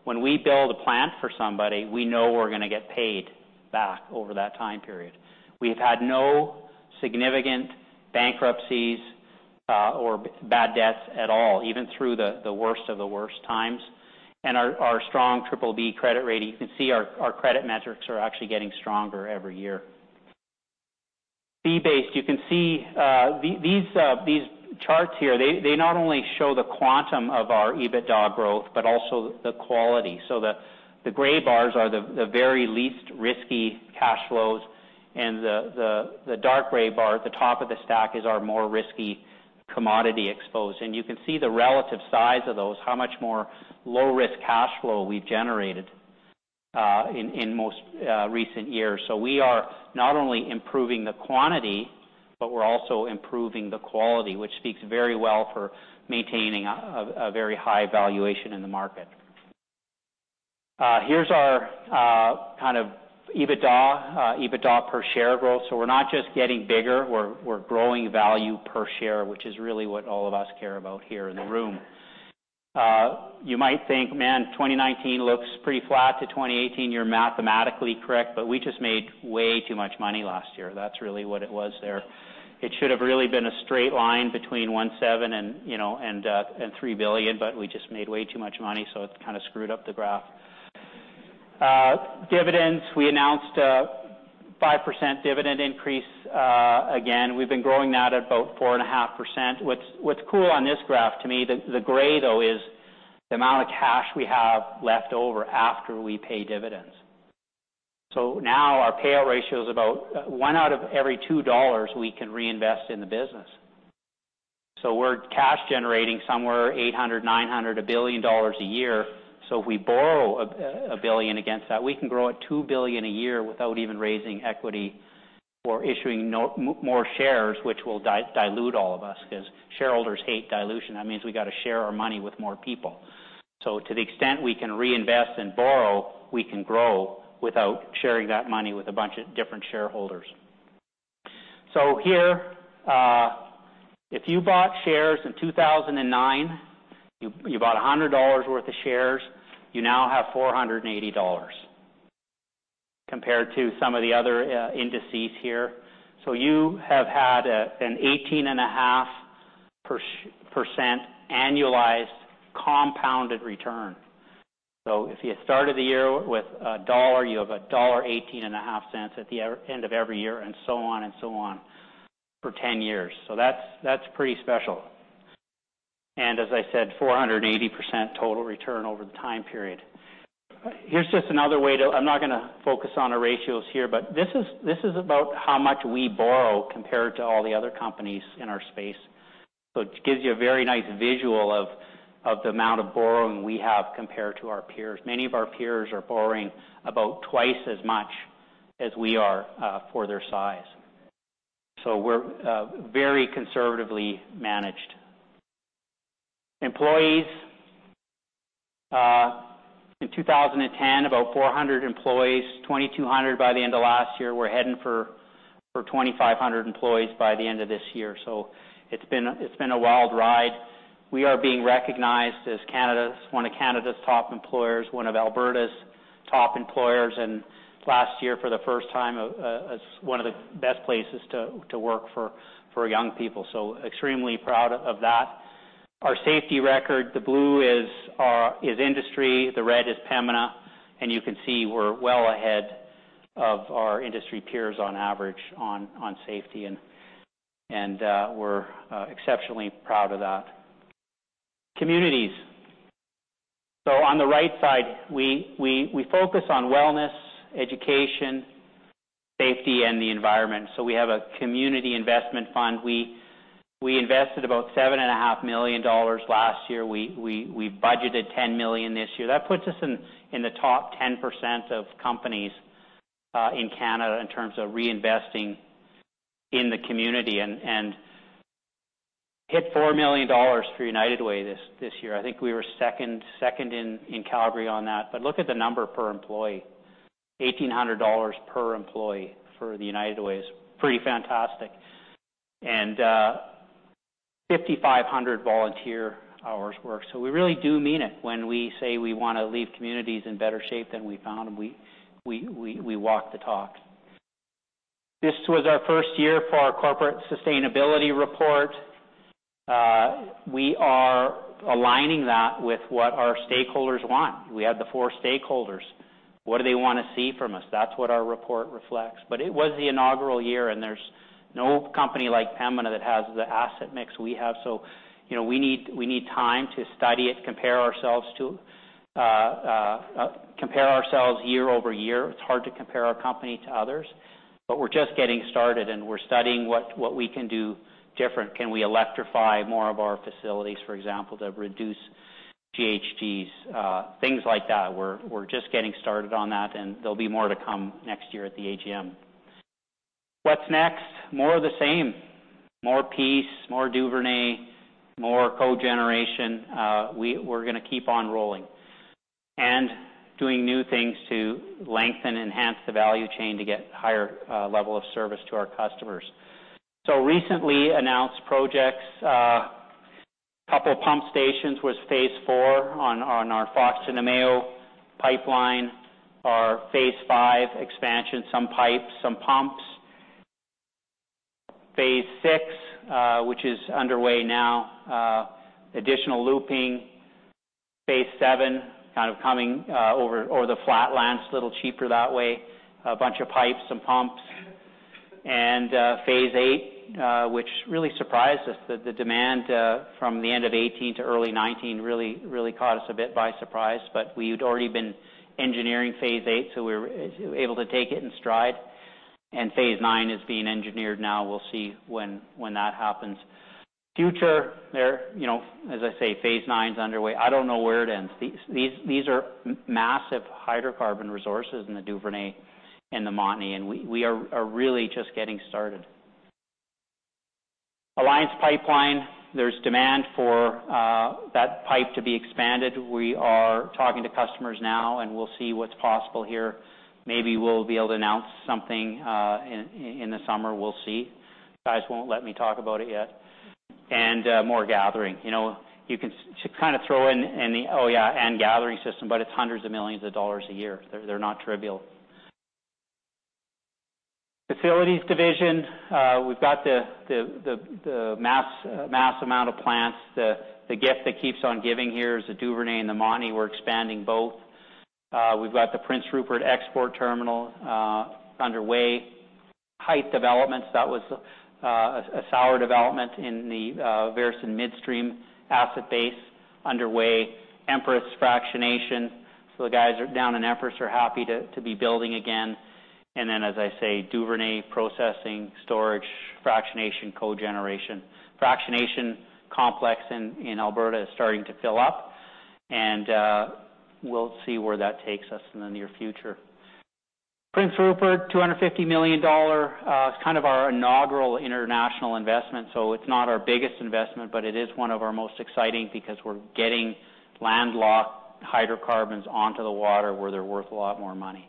When we build a plant for somebody, we know we're going to get paid back over that time period. We've had no significant bankruptcies or bad debts at all, even through the worst of the worst times. Our strong BBB credit rating, you can see our credit metrics are actually getting stronger every year. Fee-based, you can see these charts here, they not only show the quantum of our EBITDA growth, but also the quality. The gray bars are the very least risky cash flows, and the dark gray bar at the top of the stack is our more risky commodity exposed. You can see the relative size of those, how much more low-risk cash flow we've generated in most recent years. We are not only improving the quantity, but we're also improving the quality, which speaks very well for maintaining a very high valuation in the market. Here's our kind of EBITDA per share growth. We're not just getting bigger, we're growing value per share, which is really what all of us care about here in the room. You might think, man, 2019 looks pretty flat to 2018. You're mathematically correct, we just made way too much money last year. That's really what it was there. It should have really been a straight line between 1.7 billion and 3 billion, we just made way too much money, it kind of screwed up the graph. Dividends, we announced a 5% dividend increase. Again, we've been growing that at about 4.5%. What's cool on this graph to me, the gray, though, is the amount of cash we have left over after we pay dividends. Now our payout ratio is about 1 out of every 2 dollars we can reinvest in the business. We're cash generating somewhere 800 million, 900 million, 1 billion dollars a year. If we borrow 1 billion against that, we can grow at 2 billion a year without even raising equity or issuing more shares, which will dilute all of us because shareholders hate dilution. That means we got to share our money with more people. To the extent we can reinvest and borrow, we can grow without sharing that money with a bunch of different shareholders. Here, if you bought shares in 2009, you bought 100 dollars worth of shares, you now have 480 dollars compared to some of the other indices here. You have had an 18.5% annualized compounded return. If you started the year with CAD 1, you have dollar 1.185 at the end of every year, and so on and so on for 10 years. That's pretty special. As I said, 480% total return over the time period. Here's just another way to. I'm not going to focus on our ratios here, but this is about how much we borrow compared to all the other companies in our space. It gives you a very nice visual of the amount of borrowing we have compared to our peers. Many of our peers are borrowing about twice as much as we are for their size. We're very conservatively managed. Employees. In 2010, about 400 employees, 2,200 by the end of last year. We're heading for 2,500 employees by the end of this year. It's been a wild ride. We are being recognized as one of Canada's top employers, one of Alberta's top employers, and last year, for the first time, as one of the best places to work for young people. Extremely proud of that. Our safety record, the blue is industry, the red is Pembina, and you can see we're well ahead of our industry peers on average on safety. We're exceptionally proud of that. Communities. On the right side, we focus on wellness, education, safety, and the environment. We have a community investment fund. We invested about 7.5 million dollars last year. We budgeted 10 million this year. That puts us in the top 10% of companies in Canada in terms of reinvesting in the community, and hit 4 million dollars for United Way this year. I think we were second in Calgary on that. Look at the number per employee. 1,800 dollars per employee for the United Way is pretty fantastic. 5,500 volunteer hours worked. We really do mean it when we say we want to leave communities in better shape than we found them. We walk the talk. This was our first year for our corporate sustainability report. We are aligning that with what our stakeholders want. We have the four stakeholders. What do they want to see from us? That's what our report reflects. It was the inaugural year, and there's no company like Pembina that has the asset mix we have. We need time to study it, compare ourselves year over year. It's hard to compare our company to others, but we're just getting started and we're studying what we can do different. Can we electrify more of our facilities, for example, to reduce GHGs? Things like that. We're just getting started on that, there'll be more to come next year at the AGM. What's next? More of the same. More Peace, more Duvernay, more cogeneration. We're going to keep on rolling and doing new things to lengthen and enhance the value chain to get higher level of service to our customers. Recently announced projects, a couple of pump stations with Phase 4 on our Fox Creek to Namao pipeline. Our Phase 5 expansion, some pipes, some pumps. Phase 6, which is underway now, additional looping. Phase 7, kind of coming over the flatlands, a little cheaper that way, a bunch of pipes, some pumps. Phase 8, which really surprised us. The demand from the end of 2018 to early 2019 really caught us a bit by surprise. We'd already been engineering Phase 8, we were able to take it in stride. Phase 9 is being engineered now. We'll see when that happens. Future, as I say, Phase 9's underway. I don't know where it ends. These are massive hydrocarbon resources in the Duvernay and the Montney, we are really just getting started. Alliance Pipeline, there's demand for that pipe to be expanded. We are talking to customers now, we'll see what's possible here. Maybe we'll be able to announce something in the summer. We'll see. Guys won't let me talk about it yet. More gathering. You can kind of throw in the, "Oh, yeah, and gathering system," it's hundreds of millions of CAD a year. They're not trivial. Facilities division, we've got the mass amount of plants. The gift that keeps on giving here is the Duvernay and the Montney. We're expanding both. We've got the Prince Rupert export terminal underway. Hythe developments, that was a sour development in the Veresen Midstream asset base underway. Empress fractionation. The guys down in Empress are happy to be building again. As I say, Duvernay processing, storage, fractionation, cogeneration. Fractionation complex in Alberta is starting to fill up, and we'll see where that takes us in the near future. Prince Rupert, 250 million dollar. It's kind of our inaugural international investment, so it's not our biggest investment, but it is one of our most exciting because we're getting landlocked hydrocarbons onto the water where they're worth a lot more money.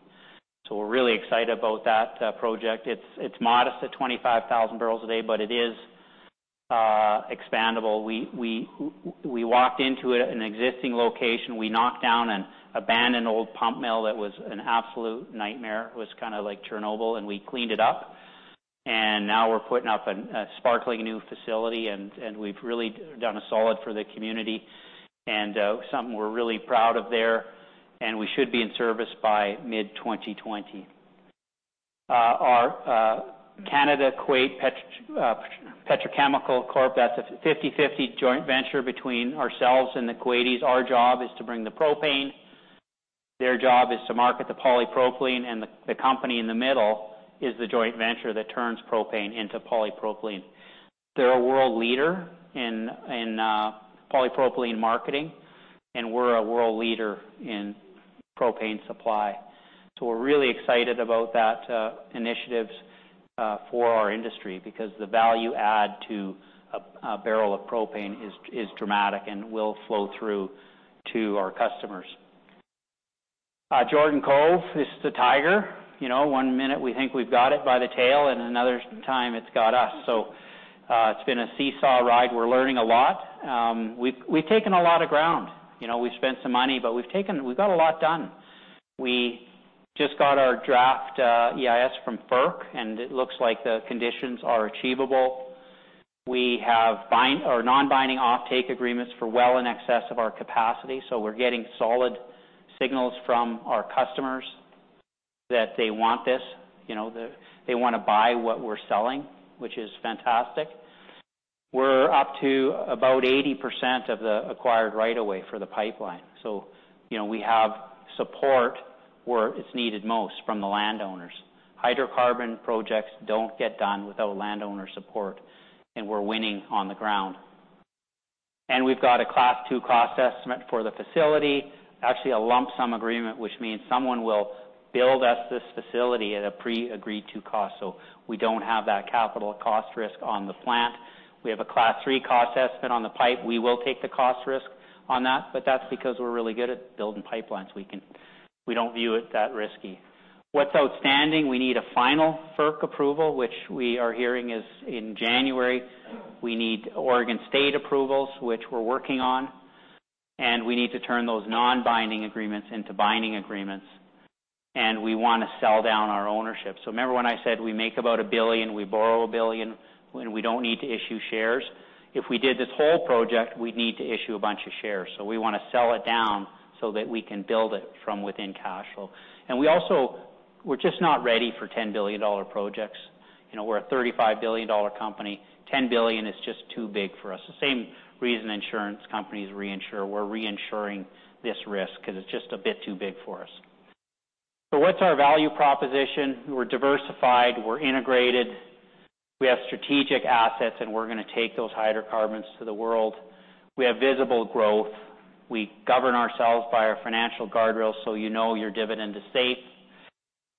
We're really excited about that project. It's modest at 25,000 barrels a day, but it is expandable. We walked into an existing location. We knocked down an abandoned old pulp mill that was an absolute nightmare. It was kind of like Chernobyl, we cleaned it up. Now we're putting up a sparkling new facility, we've really done a solid for the community. Something we're really proud of there. We should be in service by mid-2020. Our Canada Kuwait Petrochemical Corp, that's a 50/50 joint venture between ourselves and the Kuwaitis. Our job is to bring the propane. Their job is to market the polypropylene. The company in the middle is the joint venture that turns propane into polypropylene. They're a world leader in polypropylene marketing, and we're a world leader in propane supply. We're really excited about that initiative for our industry because the value add to a barrel of propane is dramatic and will flow through to our customers. Jordan Cove is the tiger. One minute we think we've got it by the tail, and another time it's got us. It's been a seesaw ride. We're learning a lot. We've taken a lot of ground. We've spent some money, but we've got a lot done. We just got our draft EIS from FERC, and it looks like the conditions are achievable. We have non-binding offtake agreements for well in excess of our capacity, we're getting solid signals from our customers that they want this, they want to buy what we're selling, which is fantastic. We're up to about 80% of the acquired right of way for the pipeline. We have support where it's needed most from the landowners. Hydrocarbon projects don't get done without landowner support, and we're winning on the ground. We've got a Class 2 cost estimate for the facility. Actually, a lump sum agreement, which means someone will build us this facility at a pre-agreed to cost, we don't have that capital cost risk on the plant. We have a Class 3 cost estimate on the pipe. We will take the cost risk on that, but that's because we're really good at building pipelines. We don't view it that risky. What's outstanding, we need a final FERC approval, which we are hearing is in January. We need Oregon State approvals, which we're working on, we need to turn those non-binding agreements into binding agreements, we want to sell down our ownership. Remember when I said we make about 1 billion, we borrow 1 billion when we don't need to issue shares? If we did this whole project, we'd need to issue a bunch of shares. We want to sell it down so that we can build it from within cash flow. We also, we're just not ready for 10 billion dollar projects. We're a 35 billion dollar company. 10 billion is just too big for us. The same reason insurance companies reinsure. We're reinsuring this risk because it's just a bit too big for us. What's our value proposition? We're diversified. We're integrated. We have strategic assets, and we're going to take those hydrocarbons to the world. We have visible growth. We govern ourselves by our financial guardrails, so you know your dividend is safe.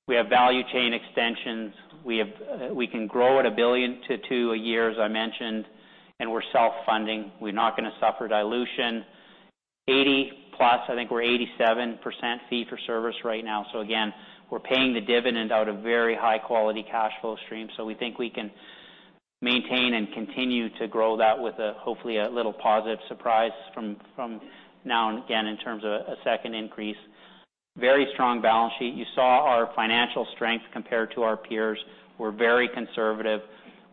We have value chain extensions. We can grow at 1 billion to 2 billion a year, as I mentioned, and we're self-funding. We're not going to suffer dilution. 80-plus, I think we're 87% fee for service right now. Again, we're paying the dividend out of very high-quality cash flow stream. We think we can maintain and continue to grow that with, hopefully, a little positive surprise from now on, again, in terms of a second increase. Very strong balance sheet. You saw our financial strength compared to our peers. We're very conservative.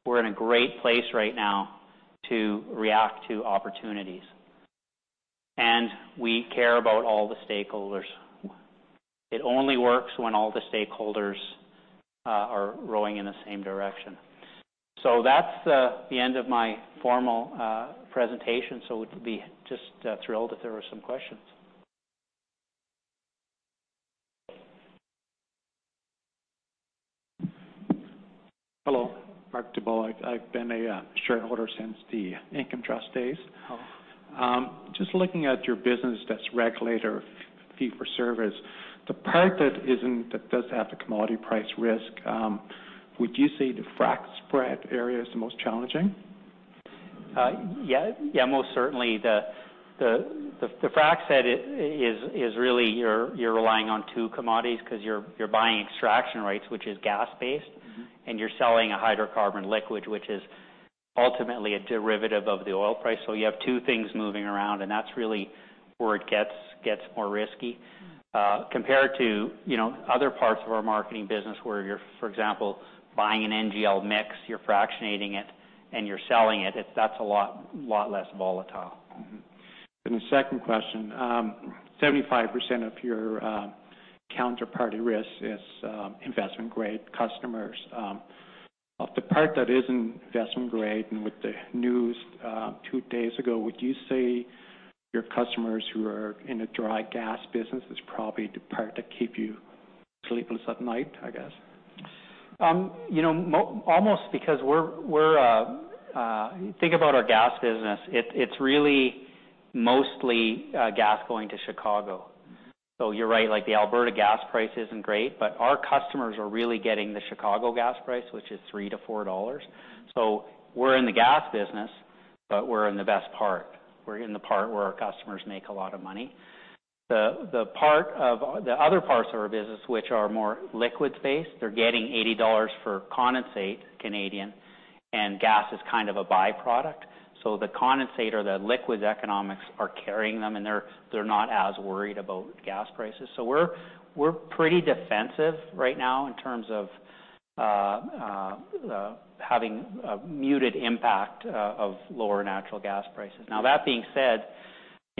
We're in a great place right now to react to opportunities. We care about all the stakeholders. It only works when all the stakeholders are rowing in the same direction. That's the end of my formal presentation. Would be just thrilled if there were some questions. Hello. Mark DeBoer. I've been a shareholder since the income trust days. Oh. Just looking at your business that's regulator fee for service, the part that does have the commodity price risk, would you say the frac spread area is the most challenging? Certainly. The frac spread is really, you're relying on two commodities because you're buying extraction rights, which is gas-based. You're selling a hydrocarbon liquid, which is ultimately a derivative of the oil price. You have two things moving around, that's really where it gets more risky. Compared to other parts of our marketing business where you're, for example, buying an NGL mix, you're fractionating it, and you're selling it. That's a lot less volatile. The second question, 75% of your counterparty risk is investment-grade customers. Of the part that isn't investment-grade, with the news two days ago, would you say your customers who are in a dry gas business is probably the part that keep you sleepless at night, I guess? Think about our gas business. It's really mostly gas going to Chicago. You're right, the Alberta gas price isn't great, our customers are really getting the Chicago gas price, which is 3-4 dollars. We're in the gas business, we're in the best part. We're in the part where our customers make a lot of money. The other parts of our business, which are more liquids-based, they're getting 80 dollars for condensate, Canadian, gas is kind of a byproduct. The condensate or the liquids economics are carrying them, they're not as worried about gas prices. We're pretty defensive right now in terms of having a muted impact of lower natural gas prices.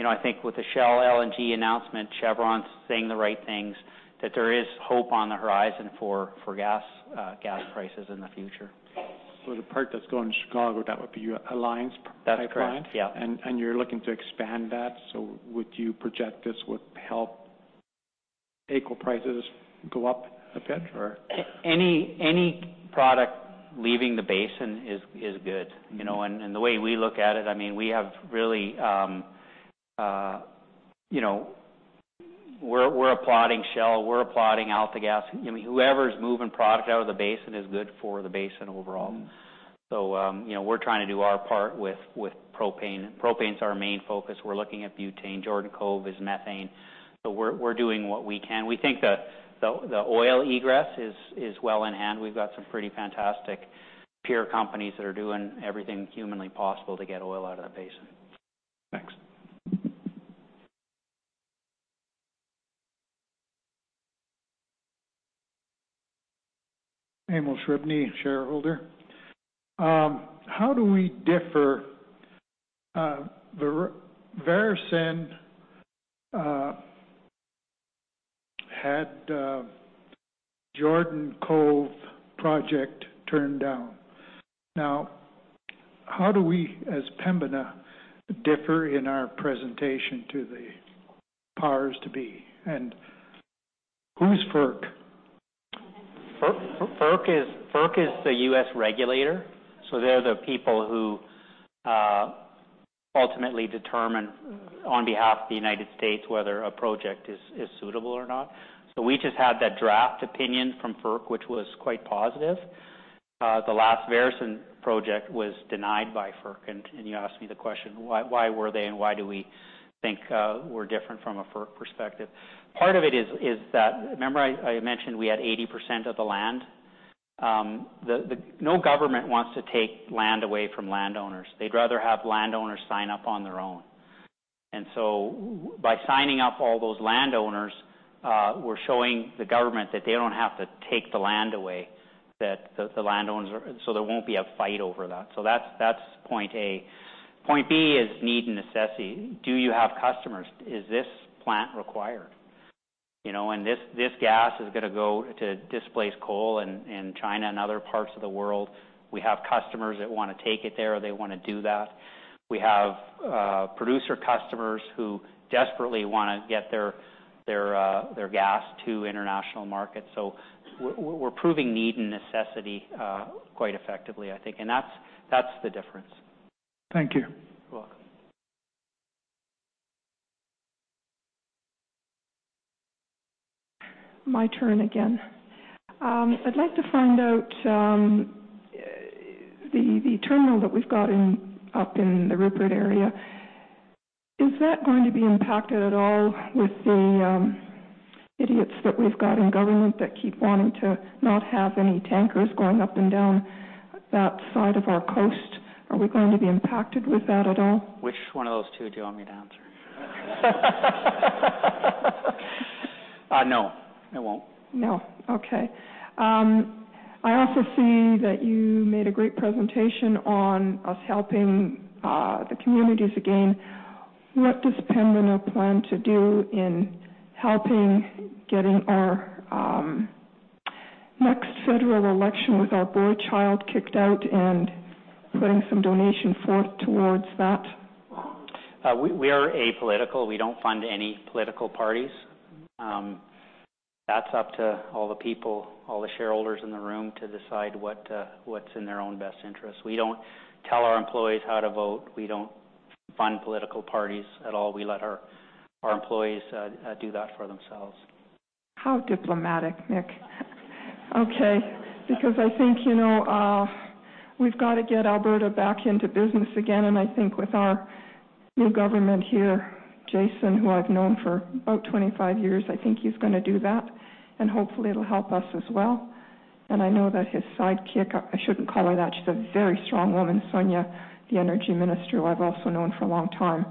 That being said, I think with the Shell LNG announcement, Chevron's saying the right things, that there is hope on the horizon for gas prices in the future. The part that's going to Chicago, that would be Alliance Pipeline? That's correct. Yeah. You're looking to expand that. Would you project this would help NGL prices go up a bit, or? Any product leaving the basin is good. The way we look at it, we're applauding Shell, we're applauding AltaGas. Whoever's moving product out of the basin is good for the basin overall. We're trying to do our part with propane. Propane's our main focus. We're looking at butane. Jordan Cove is methane. We're doing what we can. We think the oil egress is well in hand. We've got some pretty fantastic peer companies that are doing everything humanly possible to get oil out of the basin. Thanks. Amos Riebney, shareholder. How do we differ? Veresen had Jordan Cove project turned down. How do we, as Pembina, differ in our presentation to the powers to be? Who's FERC? FERC is the U.S. regulator, they're the people who ultimately determine on behalf of the United States whether a project is suitable or not. We just had that draft opinion from FERC, which was quite positive. The last Veresen project was denied by FERC, you asked me the question, why were they and why do we think we're different from a FERC perspective? Part of it is that, remember I mentioned we had 80% of the land? No government wants to take land away from landowners. They'd rather have landowners sign up on their own. By signing up all those landowners, we're showing the government that they don't have to take the land away, so there won't be a fight over that. That's point A. Point B is need and necessity. Do you have customers? Is this plant required? This gas is going to go to displace coal in China and other parts of the world. We have customers that want to take it there, they want to do that. We have producer customers who desperately want to get their gas to international markets. We're proving need and necessity quite effectively, I think. That's the difference. Thank you. You're welcome. My turn again. I'd like to find out, the terminal that we've got up in the Rupert area, is that going to be impacted at all with the idiots that we've got in government that keep wanting to not have any tankers going up and down that side of our coast? Are we going to be impacted with that at all? Which one of those two do you want me to answer? No, it won't. No. Okay. I also see that you made a great presentation on us helping the communities again. What does Pembina plan to do in helping getting our next federal election with our boy child kicked out and putting some donation forth towards that? We are apolitical. We don't fund any political parties. That's up to all the people, all the shareholders in the room, to decide what's in their own best interest. We don't tell our employees how to vote. We don't fund political parties at all. We let our employees do that for themselves. How diplomatic, Mick. Okay. I think we've got to get Alberta back into business again. I think with our new government here, Jason, who I've known for about 25 years, I think he's going to do that, and hopefully it'll help us as well. I know that his sidekick, I shouldn't call her that, she's a very strong woman, Sonya, the Energy Minister, who I've also known for a long time.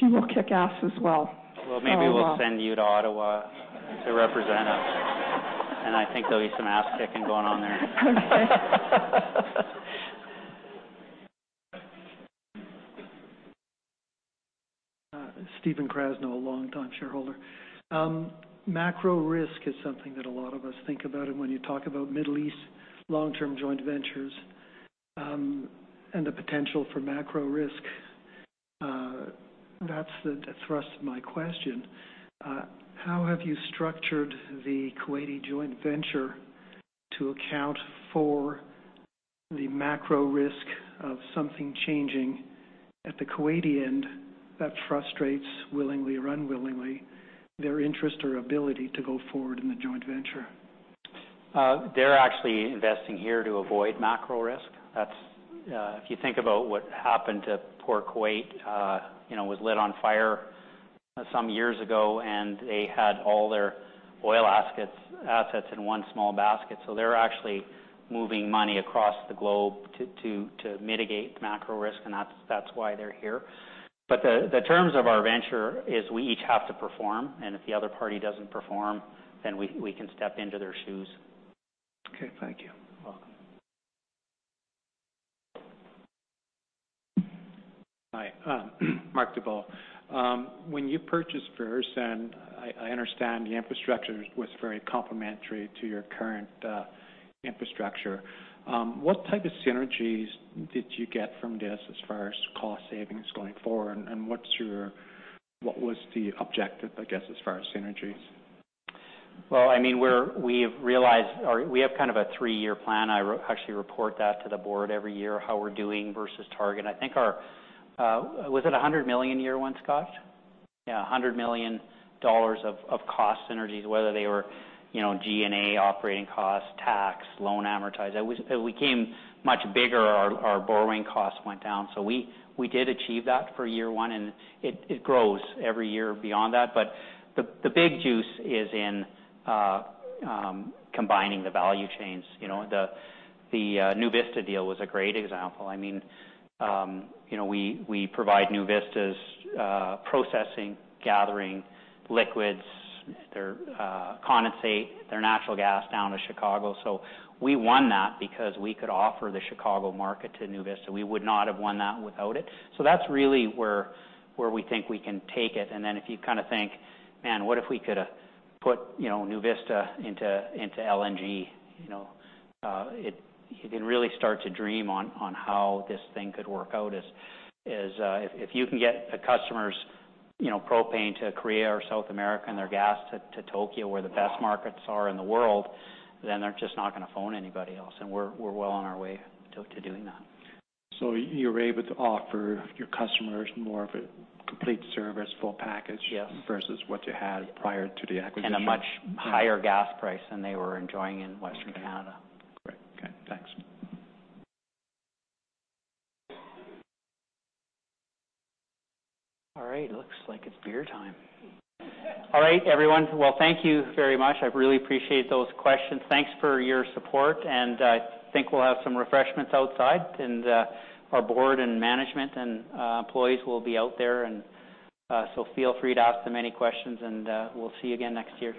She will kick ass as well. Well, maybe we'll send you to Ottawa to represent us. I think there'll be some ass-kicking going on there. Okay. Stephen Krasnow, longtime shareholder. Macro risk is something that a lot of us think about, and when you talk about Middle East long-term joint ventures, and the potential for macro risk, that's the thrust of my question. How have you structured the Kuwaiti joint venture to account for the macro risk of something changing at the Kuwaiti end that frustrates, willingly or unwillingly, their interest or ability to go forward in the joint venture? They're actually investing here to avoid macro risk. If you think about what happened to poor Kuwait, was lit on fire some years ago and they had all their oil assets in one small basket. They're actually moving money across the globe to mitigate macro risk, and that's why they're here. The terms of our venture is we each have to perform, and if the other party doesn't perform, then we can step into their shoes. Okay. Thank you. You're welcome. Hi. Mark DeBoer. When you purchased Veresen, I understand the infrastructure was very complementary to your current infrastructure. What type of synergies did you get from this as far as cost savings going forward, what was the objective, I guess, as far as synergies? We have kind of a three-year plan. I actually report that to the board every year, how we're doing versus target. I think our Was it 100 million year one, Scott? Yeah, 100 million dollars of cost synergies, whether they were G&A, operating costs, tax, loan amortize. As we became much bigger, our borrowing costs went down. We did achieve that for year one, it grows every year beyond that. The big juice is in combining the value chains. The NuVista deal was a great example. We provide NuVista's processing, gathering liquids, their condensate, their natural gas down to Chicago. We won that because we could offer the Chicago market to NuVista. We would not have won that without it. That's really where we think we can take it, if you think, man, what if we could put NuVista into LNG? You can really start to dream on how this thing could work out, as if you can get a customer's propane to Korea or South America and their gas to Tokyo, where the best markets are in the world, then they're just not going to phone anybody else. We're well on our way to doing that. You're able to offer your customers more of a complete service, full package. Yes versus what you had prior to the acquisition. A much higher gas price than they were enjoying in Western Canada. Great. Okay, thanks. All right, looks like it's beer time. All right, everyone. Well, thank you very much. I really appreciate those questions. Thanks for your support, and I think we'll have some refreshments outside and our board and management and employees will be out there, and so feel free to ask them any questions and we'll see you again next year.